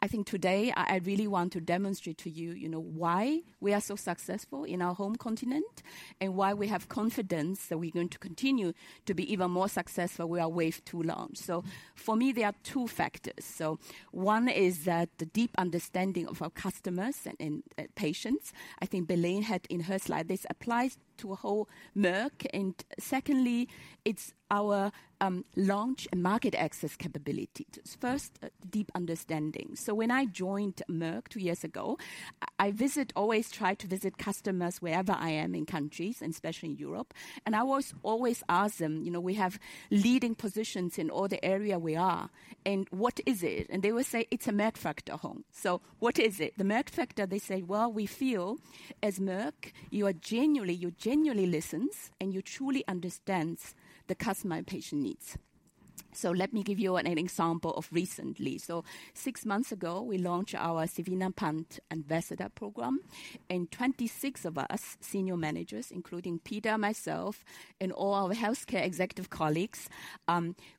I think today I really want to demonstrate to you, you know, why we are so successful in our home continent and why we have confidence that we're going to continue to be even more successful with our wave two launch. So for me, there are two factors. So one is that the deep understanding of our customers and patients. I think Belén had in her slide, this applies to a whole Merck. And secondly, it's our launch and market access capability. First, deep understanding. So when I joined Merck two years ago, I always try to visit customers wherever I am in countries, and especially in Europe, and I always, always ask them, "You know, we have leading positions in all the area we are, and what is it?" And they will say, "It's a Merck factor, Hong." So what is it? The Merck factor they say: "Well, we feel as Merck, you are genuinely, you genuinely listens, and you truly understands the customer and patient needs." So let me give you an example of recently. So six months ago, we launched our xevinapant ambassador program, and 26 of us, senior managers, including Peter, myself, and all our Healthcare executive colleagues,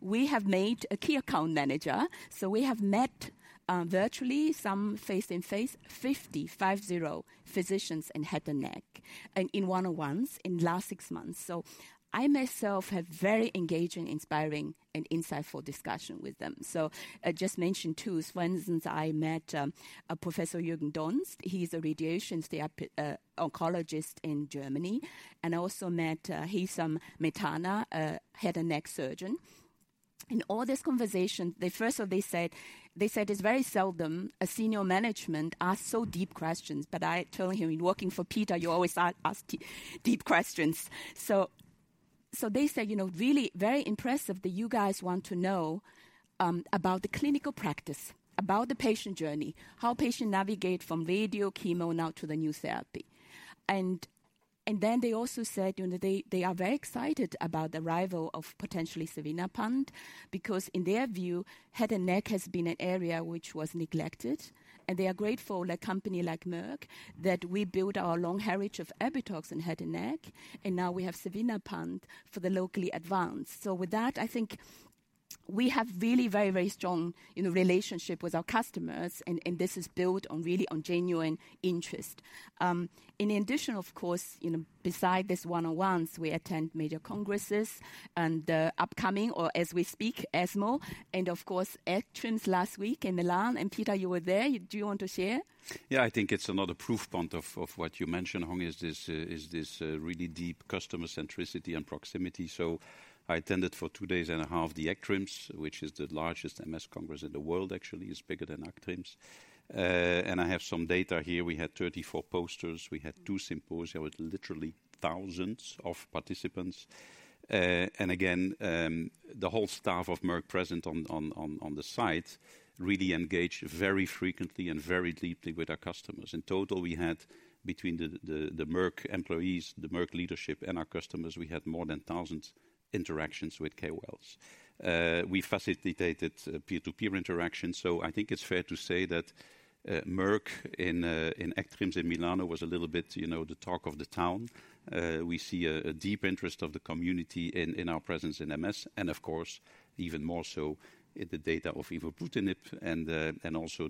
we have made a key account manager. So we have met, virtually, some face-to-face, 50 physicians in head and neck, and in one-on-ones in last six months. So I myself had very engaging, inspiring, and insightful discussion with them. So I just mention two. For instance, I met a Professor Jürgen Dunst. He's a radiation therapy oncologist in Germany, and I also met Hisham Mehanna, a head and neck surgeon. In all this conversation, the first thing they said, they said, "It's very seldom a senior management ask so deep questions." But I told him, "In working for Peter, you always ask, ask deep, deep questions." So, so they say, you know, really very impressive that you guys want to know about the clinical practice, about the patient journey, how patient navigate from radio, chemo, now to the new therapy. they also said, you know, they, they are very excited about the arrival of potentially xevinapant, because in their view, head and neck has been an area which was neglected, and they are grateful a company like Merck that we built our long heritage of Erbitux in head and neck, and now we have xevinapant for the locally advanced. So with that, I think we have really very, very strong, you know, relationship with our customers, and this is built on really on genuine interest. In addition, of course, you know, besides this one-on-ones, we attend major congresses and, upcoming or as we speak, ESMO, and of course, ECTRIMS last week in Milan. Peter, you were there. Do you want to share? Yeah, I think it's another proof point of what you mentioned, Hong, is this really deep customer centricity and proximity. So I attended for two days and a half the ECTRIMS, which is the largest MS Congress in the world, actually, it's bigger than ECTRIMS. And I have some data here. We had 34 posters. We had two symposia with literally thousands of participants. And again, the whole staff of Merck present on the site really engaged very frequently and very deeply with our customers. In total, we had between the Merck employees, the Merck leadership, and our customers, more than thousands interactions with KOLs. We facilitated peer-to-peer interactions, so I think it's fair to say that Merck in ECTRIMS in Milano was a little bit, you know, the talk of the town. We see a deep interest of the community in our presence in MS, and of course, even more so in the data of evobrutinib and also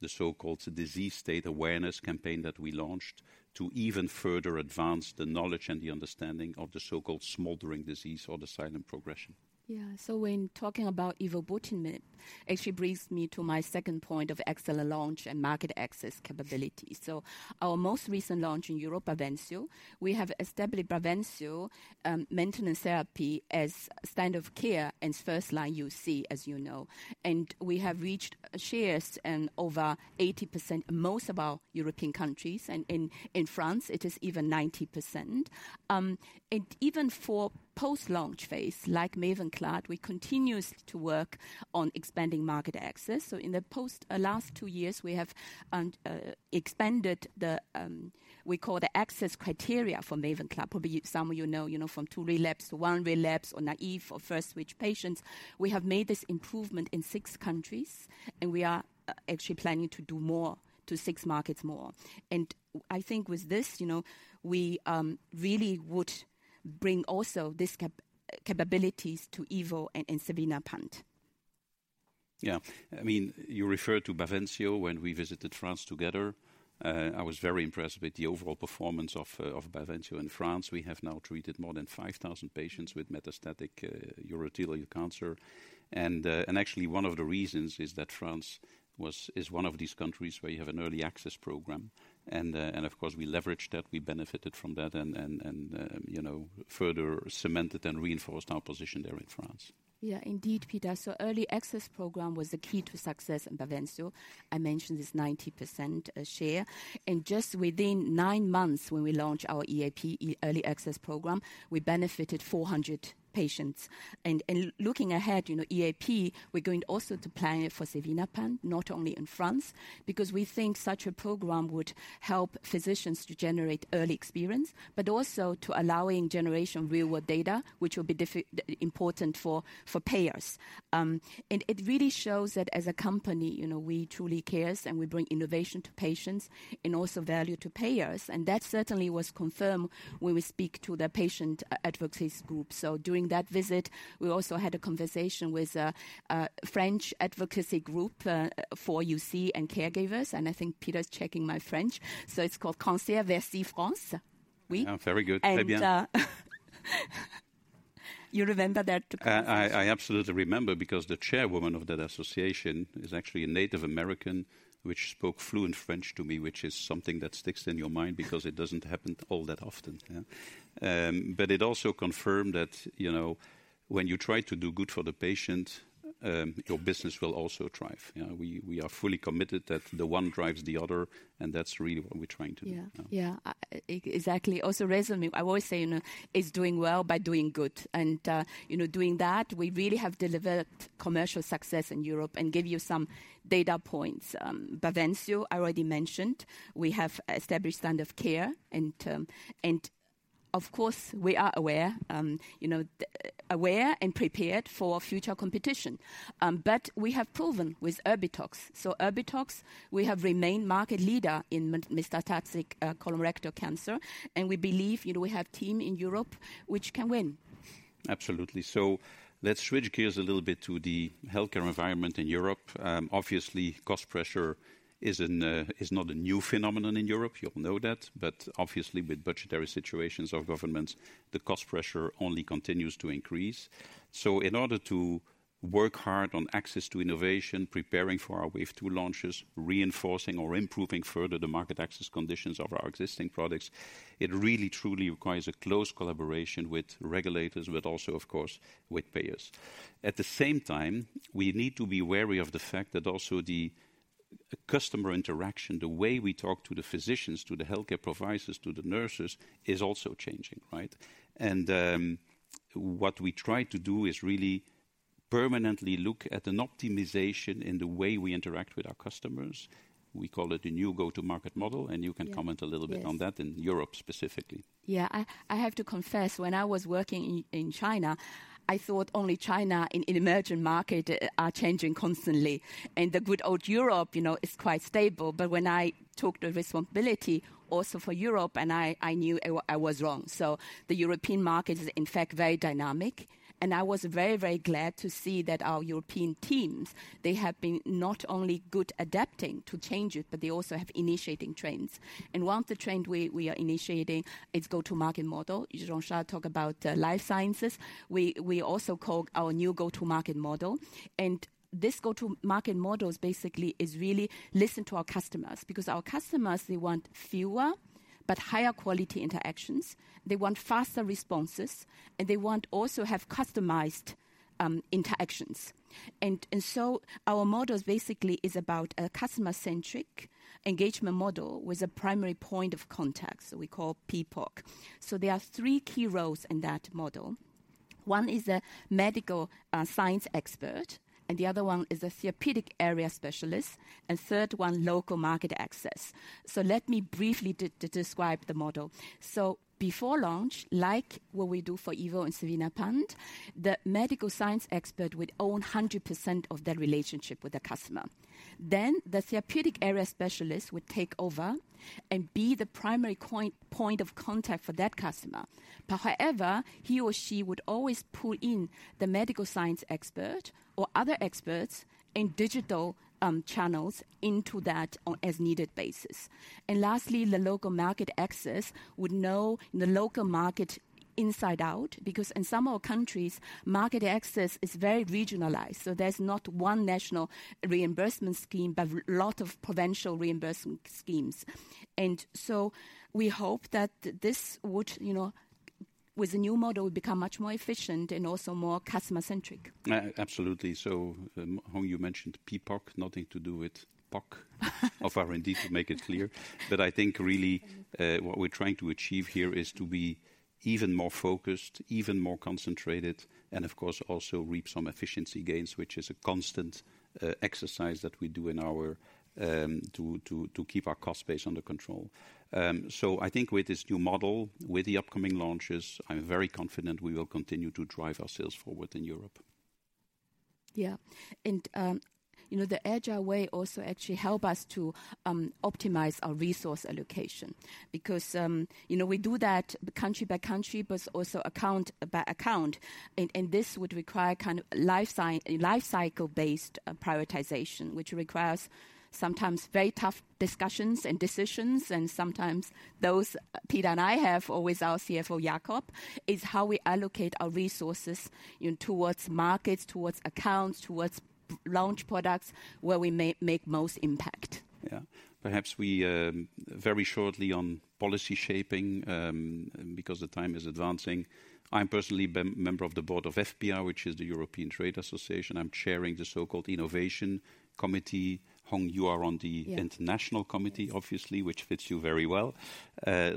the so-called disease state awareness campaign that we launched to even further advance the knowledge and the understanding of the so-called smoldering disease or the silent progression. Yeah. So when talking about evobrutinib, actually brings me to my second point of excellent launch and market access capability. So our most recent launch in Europe, Bavencio, we have established Bavencio, maintenance therapy as standard of care and first line UC, as you know, and we have reached shares in over 80% in most of our European countries, and in France, it is even 90%. And even for post-launch phase, like Mavenclad, we continues to work on expanding market access. So in the past last two years, we have expanded the, we call the access criteria for Mavenclad. Probably some of you know, you know, from two relapse to one relapse or naive or first switch patients. We have made this improvement in six countries, and we are actually planning to do more, to six markets more. I think with this, you know, we really would bring also this capabilities to evo and xevinapant. Yeah, I mean, you referred to Bavencio when we visited France together. I was very impressed with the overall performance of Bavencio in France. We have now treated more than 5,000 patients with metastatic urothelial cancer. And actually, one of the reasons is that France was, is one of these countries where you have an early access program. And of course, we leveraged that, we benefited from that, and you know, further cemented and reinforced our position there in France. Yeah, indeed, Peter. So early access program was the key to success in Bavencio. I mentioned this 90% share, and just within nine months when we launched our EAP, Early Access Program, we benefited 400 patients. And looking ahead, you know, EAP, we're going also to plan it for xevinapant, not only in France, because we think such a program would help physicians to generate early experience, but also to allowing generation real-world data, which will be important for payers. And it really shows that as a company, you know, we truly cares, and we bring innovation to patients and also value to payers. And that certainly was confirmed when we speak to the patient advocacy group. During that visit, we also had a conversation with a French advocacy group for UC and caregivers, and I think Peter's checking my French, so it's called Cancer Vessie France. Oui? Yeah, very good. Très bien. You remember that? I absolutely remember because the chairwoman of that association is actually a Native American, which spoke fluent French to me, which is something that sticks in your mind because it doesn't happen all that often. Yeah. But it also confirmed that, you know, when you try to do good for the patient, your business will also thrive. Yeah, we are fully committed that the one drives the other, and that's really what we're trying to do. Yeah. Yeah. Exactly. Also, en résumé I always say, you know, is doing well by doing good. And, you know, doing that, we really have delivered commercial success in Europe and give you some data points. Bavencio, I already mentioned, we have established standard of care, and, and of course, we are aware, you know, aware and prepared for future competition. But we have proven with Erbitux. So Erbitux, we have remained market leader in metastatic, colorectal cancer, and we believe, you know, we have team in Europe which can win. Absolutely. So let's switch gears a little bit to the healthcare environment in Europe. Obviously, cost pressure is not a new phenomenon in Europe. You all know that. But obviously, with budgetary situations of governments, the cost pressure only continues to increase. So in order to work hard on access to innovation, preparing for our wave two launches, reinforcing or improving further the market access conditions of our existing products, it really truly requires a close collaboration with regulators, but also, of course, with payers. At the same time, we need to be wary of the fact that also the customer interaction, the way we talk to the physicians, to the healthcare providers, to the nurses, is also changing, right? What we try to do is really permanently look at an optimization in the way we interact with our customers. We call it a new go-to-market model, and you can- Yeah. comment a little bit on that. Yes. In Europe, specifically. Yeah. I have to confess, when I was working in China, I thought only China in emerging market are changing constantly, and the good old Europe, you know, is quite stable. But when I took the responsibility also for Europe, and I knew I was wrong. So the European market is, in fact, very dynamic, and I was very glad to see that our European teams, they have been not only good adapting to changes, but they also have initiating trends. And one of the trend we are initiating is go-to-market model. Jean-Charles talk about Life Sciences. We also call our new go-to-market model, and this go-to-market models basically is really listen to our customers, because our customers, they want fewer but higher quality interactions. They want faster responses, and they want also have customized interactions. So our models basically is about a customer-centric engagement model with a primary point of contact, so we call PPOC. So there are three key roles in that model. One is a medical science expert, and the other one is a therapeutic area specialist, and third one, local market access. So let me briefly describe the model. So before launch, like what we do for evobrutinib and xevinapant, the medical science expert would own 100% of that relationship with the customer. Then the therapeutic area specialist would take over and be the primary point of contact for that customer. But however, he or she would always pull in the medical science expert or other experts in digital channels into that on as needed basis. And lastly, the local market access would know the local market inside out, because in some of our countries, market access is very regionalized, so there's not one national reimbursement scheme, but a lot of provincial reimbursement schemes. And so we hope that this would, you know, with the new model, become much more efficient and also more customer centric. Absolutely. So, Hong, you mentioned PPOC. Nothing to do with POC of R&D, to make it clear. But I think really, what we're trying to achieve here is to be even more focused, even more concentrated, and of course, also reap some efficiency gains, which is a constant exercise that we do in our to keep our cost base under control. So I think with this new model, with the upcoming launches, I'm very confident we will continue to drive our sales forward in Europe. Yeah. And, you know, the agile way also actually help us to optimize our resource allocation. Because, you know, we do that country by country, but also account by account. And, and this would require kind of life cycle based prioritization, which requires sometimes very tough discussions and decisions, and sometimes those Peter and I have, or with our CFO, Jakob, is how we allocate our resources, you know, towards markets, towards accounts, towards launch products where we make most impact. Yeah. Perhaps we, very shortly on policy shaping, because the time is advancing. I'm personally member of the board of EFPIA, which is the European Trade Association. I'm chairing the so-called Innovation Committee. Hong, you are on the- Yeah... International Committee, obviously, which fits you very well.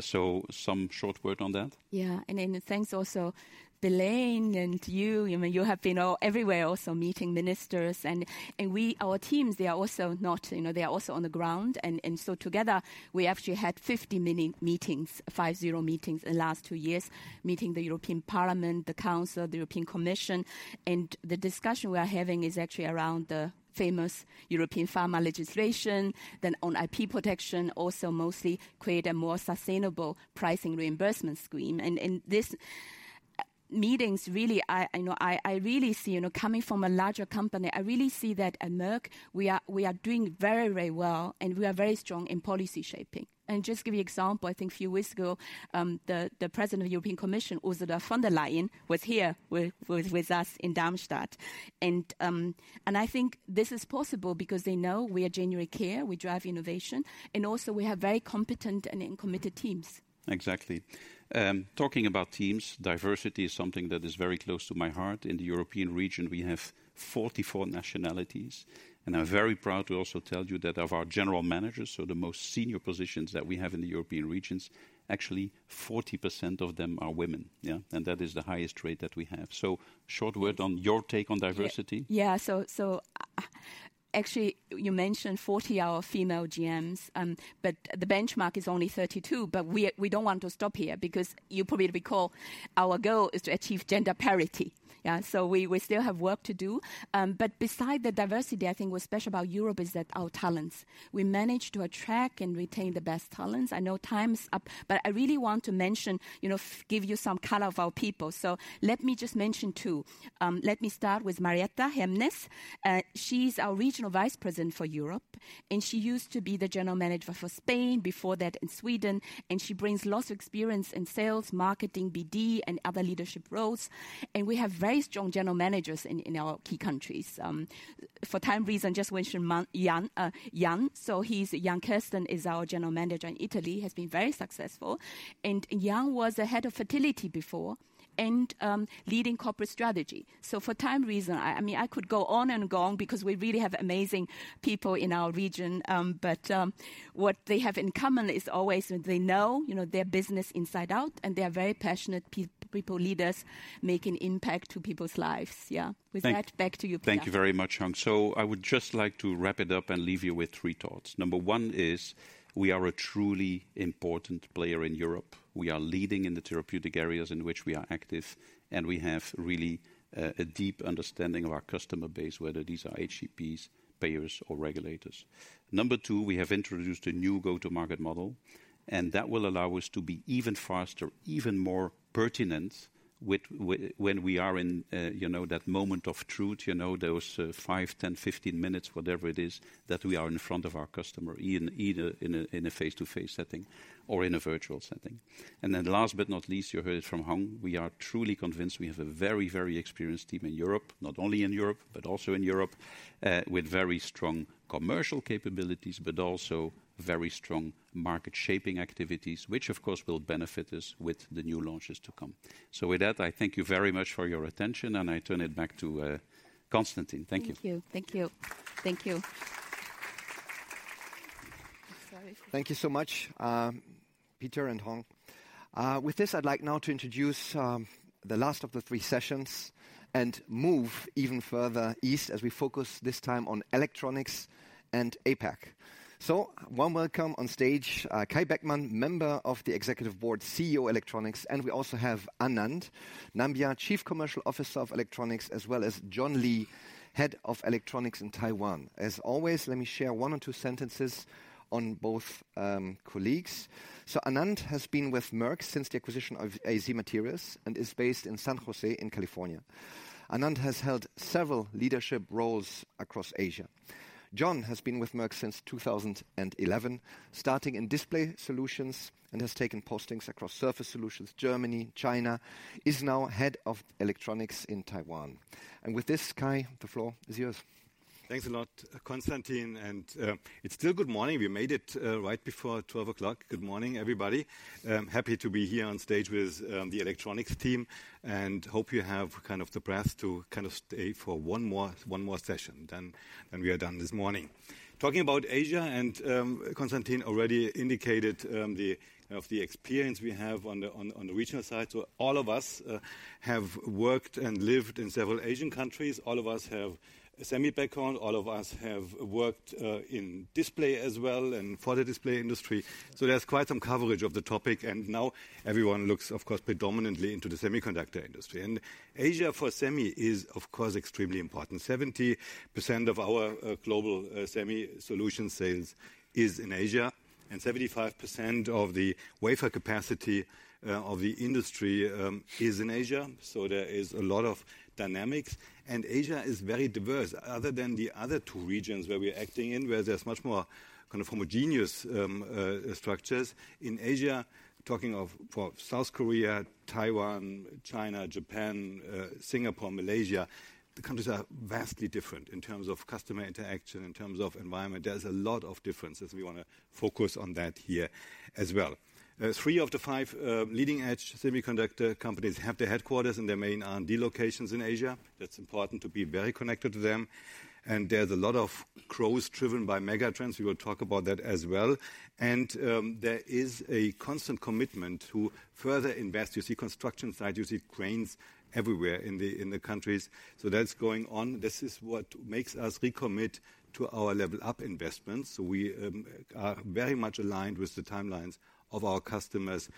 So some short word on that? Yeah, and then thanks also, Belén, and you. I mean, you have been everywhere also, meeting ministers and we—our teams, they are also not, you know, they are also on the ground. And so together, we actually had 50 mini-meetings, 50 meetings in last two years, meeting the European Parliament, the Council, the European Commission. And the discussion we are having is actually around the famous European pharma legislation, then on IP protection, also mostly create a more sustainable pricing reimbursement scheme. And this meetings, really, I know, I really see, you know, coming from a larger company, I really see that at Merck, we are doing very, very well, and we are very strong in policy shaping. Just give you an example, I think a few weeks ago, the President of the European Commission, Ursula von der Leyen, was here with us in Darmstadt. I think this is possible because they know we genuinely care, we drive innovation, and also we have very competent and committed teams. Exactly. Talking about teams, diversity is something that is very close to my heart. In the European region, we have 44 nationalities, and I'm very proud to also tell you that of our general managers, so the most senior positions that we have in the European regions, actually 40% of them are women, yeah, and that is the highest rate that we have. So short word on your take on diversity? Yeah. Actually, you mentioned 40 our female GMs, but the benchmark is only 32. But we don't want to stop here because you probably recall, our goal is to achieve gender parity. Yeah, so we still have work to do. But beside the diversity, I think what's special about Europe is that our talents. We manage to attract and retain the best talents. I know time's up, but I really want to mention, you know, give you some color of our people. So let me just mention two. Let me start with Marieta Jiménez. She's our regional vice president for Europe, and she used to be the general manager for Spain, before that in Sweden, and she brings lots of experience in sales, marketing, BD and other leadership roles. We have very strong general managers in our key countries. For time reasons, just mention Jan. So he's Jan Kirsten, our general manager in Italy, has been very successful. And Jan was the head of fertility before and leading corporate strategy. So for time reasons, I mean, I could go on and go on because we really have amazing people in our region. But what they have in common is always that they know, you know, their business inside out, and they are very passionate people, leaders, making impact to people's lives. Yeah. Thank- With that, back to you, Peter. Thank you very much, Hong. So I would just like to wrap it up and leave you with three thoughts. Number one is, we are a truly important player in Europe. We are leading in the therapeutic areas in which we are active, and we have really a deep understanding of our customer base, whether these are HCPs, payers, or regulators. Number two, we have introduced a new go-to-market model, and that will allow us to be even faster, even more pertinent with when we are in, you know, that moment of truth, you know, those 5, 10, 15 minutes, whatever it is, that we are in front of our customer, in either a face-to-face setting or in a virtual setting. And then last but not least, you heard it from Hong, we are truly convinced we have a very, very experienced team in Europe. Not only in Europe, but also in Europe, with very strong commercial capabilities, but also very strong market shaping activities, which of course, will benefit us with the new launches to come. So with that, I thank you very much for your attention, and I turn it back to, Constantin. Thank you. Thank you. Thank you. Thank you. I'm sorry. Thank you so much, Peter and Hong. With this, I'd like now to introduce the last of the three sessions and move even further east as we focus this time on Electronics and APAC. Warm welcome on stage, Kai Beckmann, member of the executive board, CEO Electronics, and we also have Anand Nambiar, Chief Commercial Officer of Electronics, as well as John Lee, Head of Electronics in Taiwan. As always, let me share one or two sentences on both colleagues. Anand has been with Merck since the acquisition of AZ Materials and is based in San Jose in California. Anand has held several leadership roles across Asia. John has been with Merck since 2011, starting in display solutions and has taken postings across surface solutions, Germany, China, is now Head of Electronics in Taiwan. With this, Kai, the floor is yours. Thanks a lot, Constantin, and it's still good morning. We made it right before 12 o'clock. Good morning, everybody. Happy to be here on stage with the Electronics team and hope you have kind of the breath to kind of stay for one more, one more session, then we are done this morning. Talking about Asia and Constantin already indicated the experience we have on the regional side. So all of us have worked and lived in several Asian countries. All of us have a semi background. All of us have worked in display as well, and for the display industry. So there's quite some coverage of the topic, and now everyone looks, of course, predominantly into the semiconductor industry. And Asia, for semi, is, of course, extremely important. 70% of our global semi solution sales is in Asia... and 75% of the wafer capacity of the industry is in Asia, so there is a lot of dynamics. Asia is very diverse. Other than the other two regions where we are acting in, where there's much more kind of homogeneous structures. In Asia, talking of for South Korea, Taiwan, China, Japan, Singapore, Malaysia, the countries are vastly different in terms of customer interaction, in terms of environment. There's a lot of differences. We wanna focus on that here as well. Three of the five leading-edge semiconductor companies have their headquarters and their main R&D locations in Asia. That's important to be very connected to them, and there's a lot of growth driven by megatrends. We will talk about that as well, and there is a constant commitment to further invest. You see construction sites, you see cranes everywhere in the countries, so that's going on. This is what makes us recommit to our Level Up investments. So we are very much aligned with the timelines of our customers,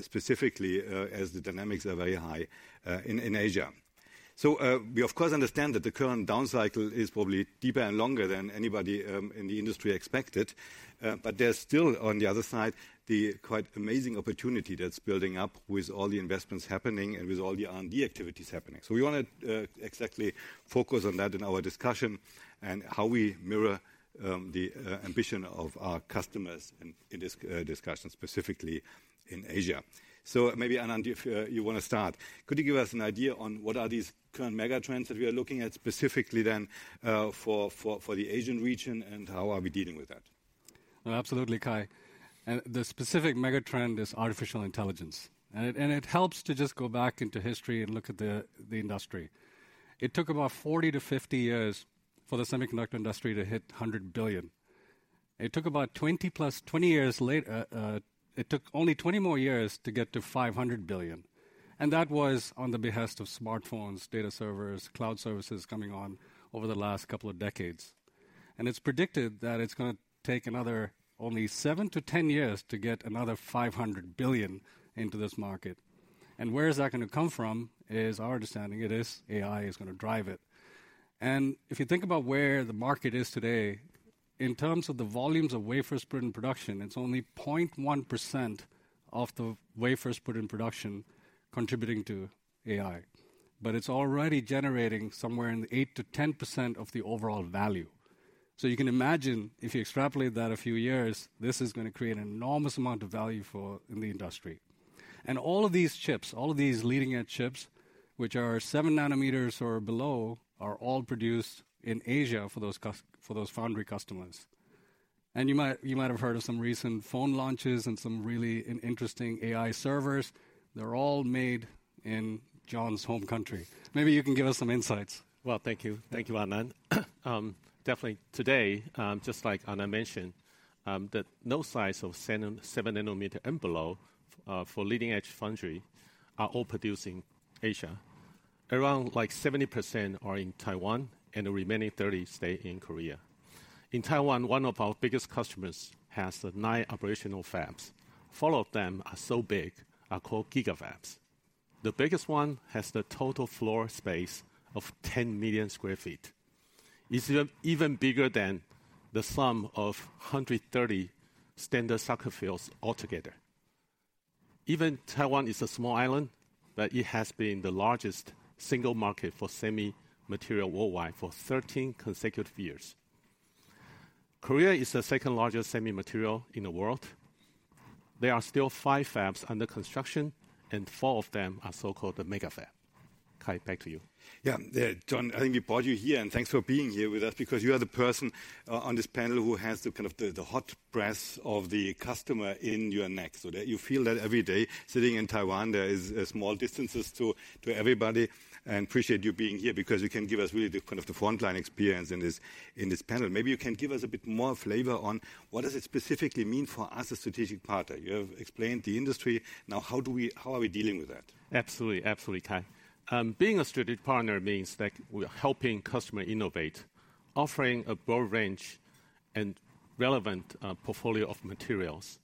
specifically as the dynamics are very high in Asia. So we of course understand that the current downcycle is probably deeper and longer than anybody in the industry expected. But there's still, on the other side, the quite amazing opportunity that's building up with all the investments happening and with all the R&D activities happening. So we wanna exactly focus on that in our discussion and how we mirror the ambition of our customers in this discussion, specifically in Asia. So maybe, Anand, if you want to start. Could you give us an idea on what are these current megatrends that we are looking at specifically then for the Asian region, and how are we dealing with that? Absolutely, Kai. The specific megatrend is artificial intelligence, and it helps to just go back into history and look at the industry. It took about 40-50 years for the semiconductor industry to hit $100 billion. It took about twenty-plus years later, it took only 20 more years to get to $500 billion, and that was on the behest of smartphones, data servers, cloud services coming on over the last couple of decades. And it's predicted that it's gonna take another only 7-10 years to get another $500 billion into this market. And where is that gonna come from, is our understanding, it is AI is gonna drive it. And if you think about where the market is today, in terms of the volumes of wafers put in production, it's only 0.1% of the wafers put in production contributing to AI, but it's already generating somewhere in the 8%-10% of the overall value. So you can imagine, if you extrapolate that a few years, this is gonna create an enormous amount of value for in the industry. And all of these chips, all of these leading-edge chips, which are 7 nanometers or below, are all produced in Asia for those for those foundry customers. And you might have heard of some recent phone launches and some really interesting AI servers. They're all made in John's home country. Maybe you can give us some insights. Well, thank you. Thank you, Anand. Definitely today, just like Anand mentioned, that those size of 7, 7 nanometer and below, for leading-edge foundry are all produced in Asia. Around like 70% are in Taiwan, and the remaining 30 stay in Korea. In Taiwan, one of our biggest customers has 9 operational fabs. Four of them are so big, are called GigaFabs. The biggest one has the total floor space of 10 million sq ft. It's even bigger than the sum of 130 standard soccer fields altogether. Even Taiwan is a small island, but it has been the largest single market for semi material worldwide for 13 consecutive years. Korea is the second largest semi material in the world. There are still 5 fabs under construction, and four of them are so-called the MegaFab. Kai, back to you. Yeah, John, I think we brought you here, and thanks for being here with us because you are the person on this panel who has the kind of the hot breath of the customer in your neck, so that you feel that every day sitting in Taiwan, there is small distances to everybody. I appreciate you being here because you can give us really the kind of the frontline experience in this panel. Maybe you can give us a bit more flavor on what does it specifically mean for us as a strategic partner? You have explained the industry. Now, how do we? How are we dealing with that? Absolutely. Absolutely, Kai. Being a strategic partner means that we are helping customer innovate, offering a broad range and relevant portfolio of materials,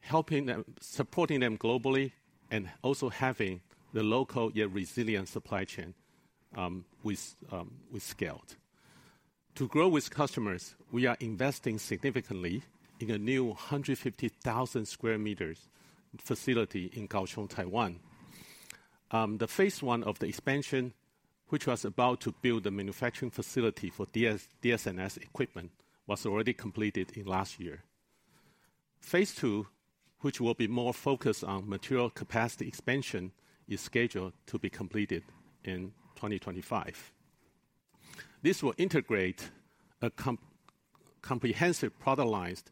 helping them... supporting them globally, and also having the local yet resilient supply chain with scaled. To grow with customers, we are investing significantly in a new 150,000 square meters facility in Kaohsiung, Taiwan. The phase 1 of the expansion, which was about to build a manufacturing facility for DS, DS&S equipment, was already completed last year. Phase 2, which will be more focused on material capacity expansion, is scheduled to be completed in 2025. This will integrate a comprehensive product lines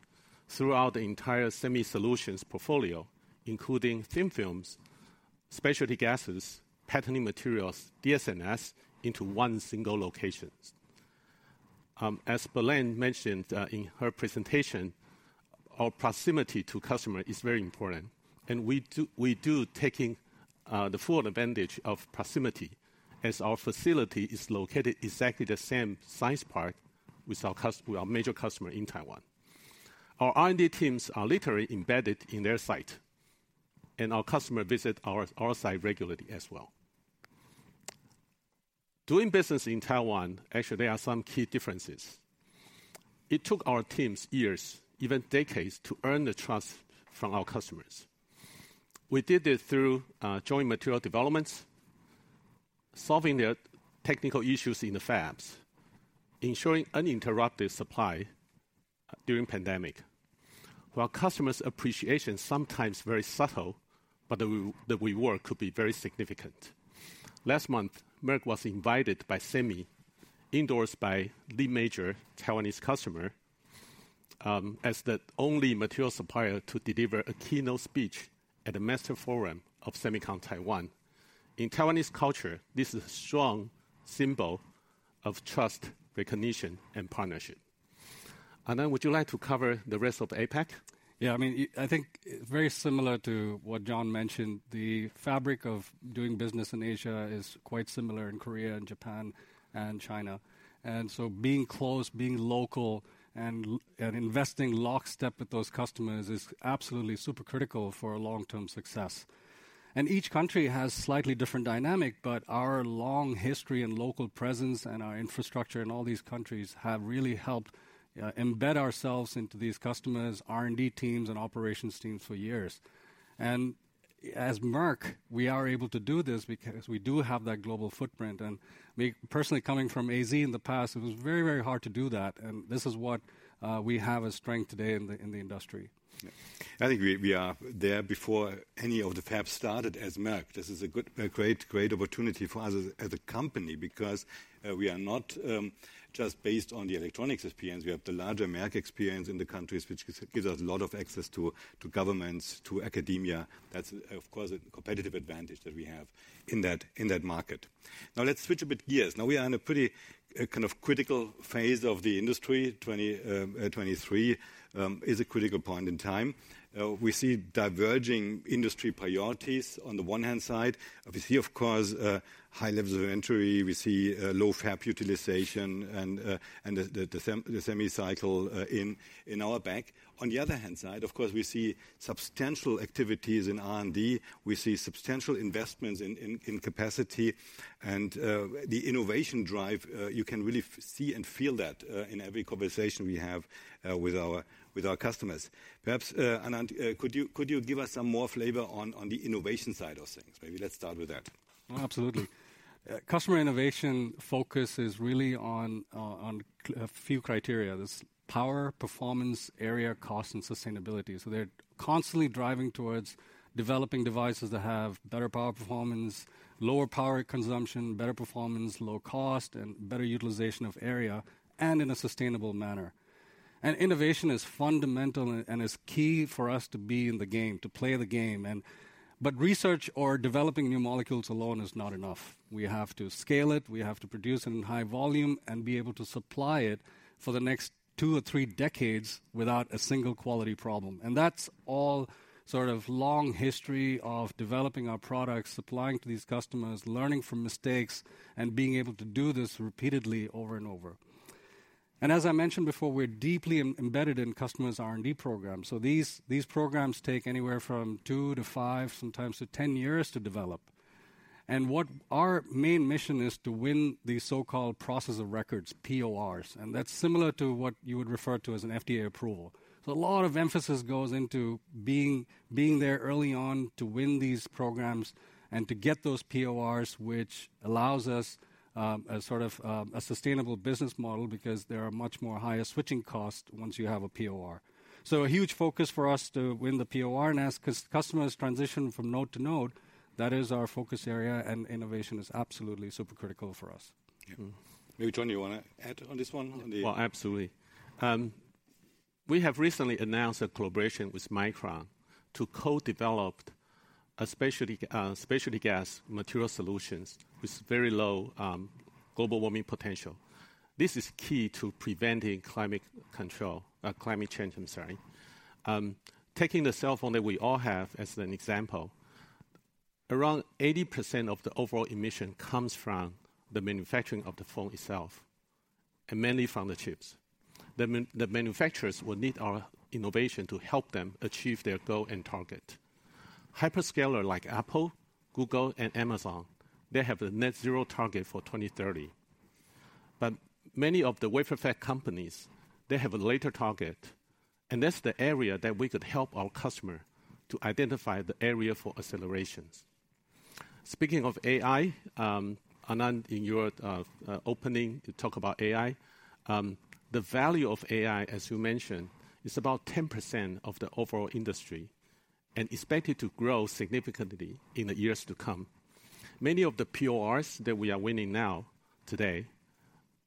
throughout the entire Semi Solutions portfolio, including thin films, specialty gases, patterning materials, DS&S into one single location. As Belén mentioned in her presentation, our proximity to customer is very important, and we do take the full advantage of proximity as our facility is located exactly the same science park with our cust- with our major customer in Taiwan. Our R&D teams are literally embedded in their site, and our customer visit our, our site regularly as well. Doing business in Taiwan, actually, there are some key differences. It took our teams years, even decades, to earn the trust from our customers. We did this through joint material developments, solving the technical issues in the fabs, ensuring uninterrupted supply during pandemic. While customers' appreciation sometimes very subtle, but the way that we work could be very significant. Last month, Merck was invited by SEMI, endorsed by the major Taiwanese customer, as the only material supplier to deliver a keynote speech at the Master Forum of SEMICON Taiwan. In Taiwanese culture, this is a strong symbol of trust, recognition, and partnership. Anand, would you like to cover the rest of the APAC? Yeah, I mean, I think very similar to what John mentioned, the fabric of doing business in Asia is quite similar in Korea and Japan and China. And so being close, being local, and investing lockstep with those customers is absolutely super critical for our long-term success. And each country has slightly different dynamic, but our long history and local presence and our infrastructure in all these countries have really helped embed ourselves into these customers, R&D teams, and operations teams for years. And as Merck, we are able to do this because we do have that global footprint. And personally coming from AZ in the past, it was very, very hard to do that, and this is what we have as strength today in the industry. Yeah. I think we are there before any of the fabs started as Merck. This is a good, great opportunity for us as a company, because we are not just based on the Electronics experience, we have the larger Merck experience in the countries, which gives us a lot of access to governments, to academia. That's, of course, a competitive advantage that we have in that market. Now let's switch a bit gears. Now we are in a pretty kind of critical phase of the industry. 2023 is a critical point in time. We see diverging industry priorities on the one-hand side. We see, of course, high levels of entry, we see low fab utilization, and the semi cycle in our back. On the other hand side, of course, we see substantial activities in R&D. We see substantial investments in capacity and the innovation drive. You can really see and feel that in every conversation we have with our customers. Perhaps, Anand, could you give us some more flavor on the innovation side of things? Maybe let's start with that. Oh, absolutely. Customer innovation focus is really on a few criteria. There's power, performance, area, cost, and sustainability. So they're constantly driving towards developing devices that have better power performance, lower power consumption, better performance, low cost, and better utilization of area, and in a sustainable manner. And innovation is fundamental and is key for us to be in the game, to play the game, and... But research or developing new molecules alone is not enough. We have to scale it, we have to produce in high volume, and be able to supply it for the next two or three decades without a single quality problem. And that's all sort of long history of developing our products, supplying to these customers, learning from mistakes, and being able to do this repeatedly over and over. As I mentioned before, we're deeply embedded in customers' R&D programs. These programs take anywhere from 2-5, sometimes to 10 years to develop. Our main mission is to win the so-called process of record, PORs, and that's similar to what you would refer to as an FDA approval. A lot of emphasis goes into being there early on to win these programs and to get those PORs, which allows us a sort of a sustainable business model because there are much more higher switching costs once you have a POR. A huge focus for us to win the POR, and as customers transition from node to node, that is our focus area, and innovation is absolutely super critical for us. Mm-hmm. Maybe, John, you wanna add on this one? On the- Well, absolutely. We have recently announced a collaboration with Micron to co-develop a specialty gas material solutions with very low global warming potential. This is key to preventing climate change, I'm sorry. Taking the cell phone that we all have as an example, around 80% of the overall emission comes from the manufacturing of the phone itself, and mainly from the chips. The manufacturers will need our innovation to help them achieve their goal and target. Hyperscaler like Apple, Google, and Amazon, they have the net zero target for 2030. But many of the wafer fab companies, they have a later target, and that's the area that we could help our customer to identify the area for accelerations. Speaking of AI, Anand, in your opening, you talk about AI. The value of AI, as you mentioned, is about 10% of the overall industry and expected to grow significantly in the years to come. Many of the PORs that we are winning now, today,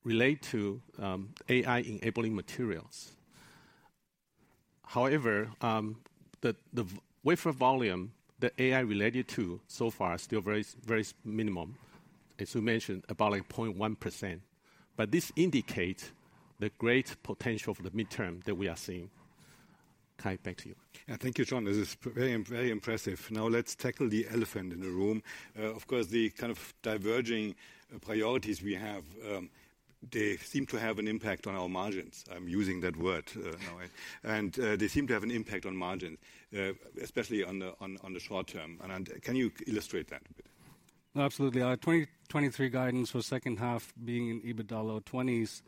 relate to AI-enabling materials. However, the wafer volume that AI related to so far is still very, very minimum. As you mentioned, about like 0.1%, but this indicates the great potential for the midterm that we are seeing. Kai, back to you. Yeah. Thank you, John. This is very, very impressive. Now, let's tackle the elephant in the room. Of course, the kind of diverging priorities we have, they seem to have an impact on our margins. I'm using that word now, and they seem to have an impact on margins, especially on the short term. And can you illustrate that a bit? Absolutely. Our 2023 guidance for H2 being in EBITDA low 20s,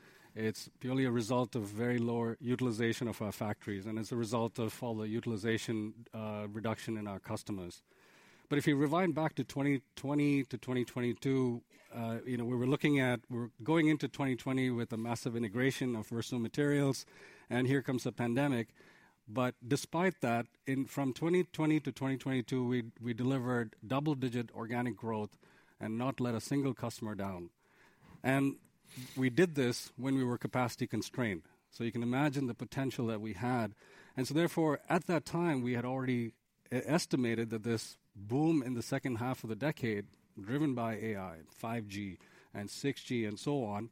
it's purely a result of very lower utilization of our factories, and as a result of all the utilization reduction in our customers. But if you rewind back to 2020 to 2022, you know, we were looking at—we're going into 2020 with a massive integration of Versum Materials, and here comes the pandemic. But despite that, in from 2020 to 2022, we, we delivered double-digit organic growth and not let a single customer down. And we did this when we were capacity constrained, so you can imagine the potential that we had. And so therefore, at that time, we had already estimated that this boom in H2 of the decade, driven by AI, 5G, and 6G, and so on,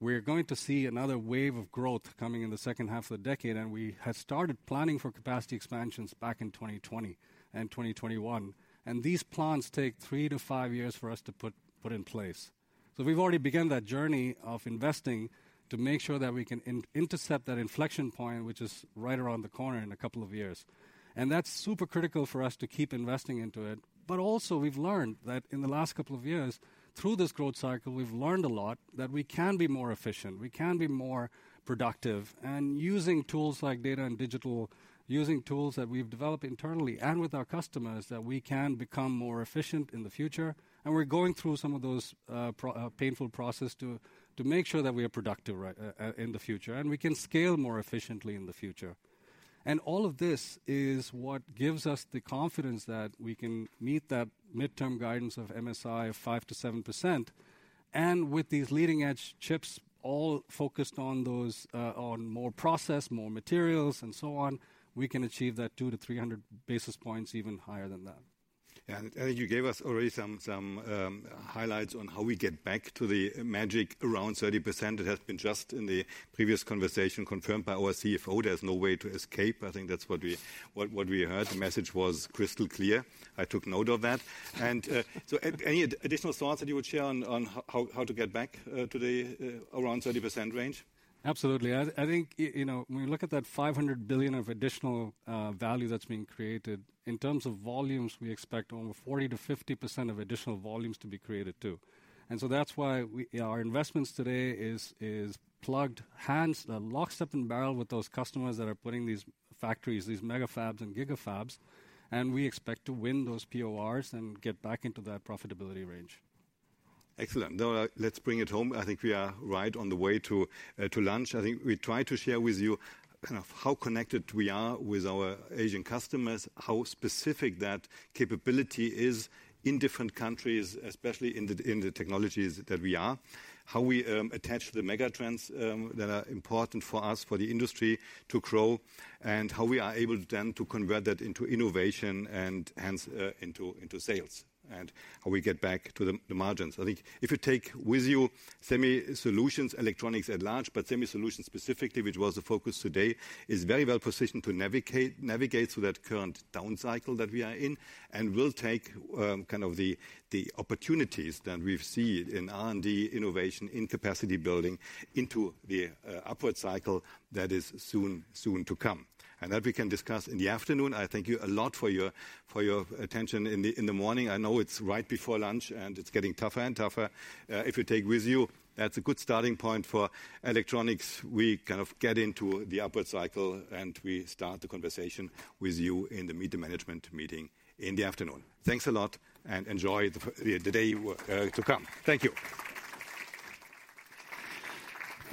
we're going to see another wave of growth coming in H2 of the decade, and we had started planning for capacity expansions back in 2020 and 2021. And these plans take 3-5 years for us to put in place. So we've already begun that journey of investing to make sure that we can intercept that inflection point, which is right around the corner in a couple of years. And that's super critical for us to keep investing into it. But also we've learned that in the last couple of years, through this growth cycle, we've learned a lot that we can be more efficient, we can be more productive, and using tools like data and digital, using tools that we've developed internally and with our customers, that we can become more efficient in the future. And we're going through some of those painful processes to make sure that we are productive right in the future, and we can scale more efficiently in the future. And all of this is what gives us the confidence that we can meet that midterm guidance of MSI of 5%-7%. And with these leading-edge chips all focused on those, on more process, more materials, and so on, we can achieve that 200-300 basis points even higher than that. Yeah, and you gave us already some highlights on how we get back to the magic around 30%. It has been just in the previous conversation confirmed by our CFO: there's no way to escape. I think that's what we heard. The message was crystal clear. I took note of that. And so any additional thoughts that you would share on how to get back to around 30% range? Absolutely. I think, you know, when we look at that 500 billion of additional value that's being created, in terms of volumes, we expect over 40%-50% of additional volumes to be created, too. And so that's why our investments today is hand in glove, lock, stock, and barrel with those customers that are putting these factories, these MegaFab and giga fabs, and we expect to win those PORs and get back into that profitability range. Excellent. Now, let's bring it home. I think we are right on the way to lunch. I think we tried to share with you kind of how connected we are with our Asian customers, how specific that capability is in different countries, especially in the technologies that we are. How we attach the mega trends that are important for us, for the industry to grow, and how we are able then to convert that into innovation and hence into sales, and how we get back to the margins. I think if you take with you Semi Solutions, Electronics at large, but Semi Solutions specifically, which was the focus today, is very well positioned to navigate through that current down cycle that we are in and will take kind of the opportunities that we've seen in R&D, innovation, in capacity building into the upward cycle that is soon to come. And that we can discuss in the afternoon. I thank you a lot for your attention in the morning. I know it's right before lunch, and it's getting tougher and tougher. If you take with you, that's a good starting point for Electronics. We kind of get into the upward cycle, and we start the conversation with you in the media management meeting in the afternoon. Thanks a lot, and enjoy the day to come. Thank you.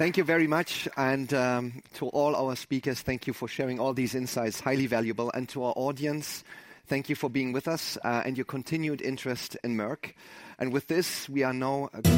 Thank you very much, and to all our speakers, thank you for sharing all these insights, highly valuable. And to our audience, thank you for being with us, and your continued interest in Merck. And with this, we are now going-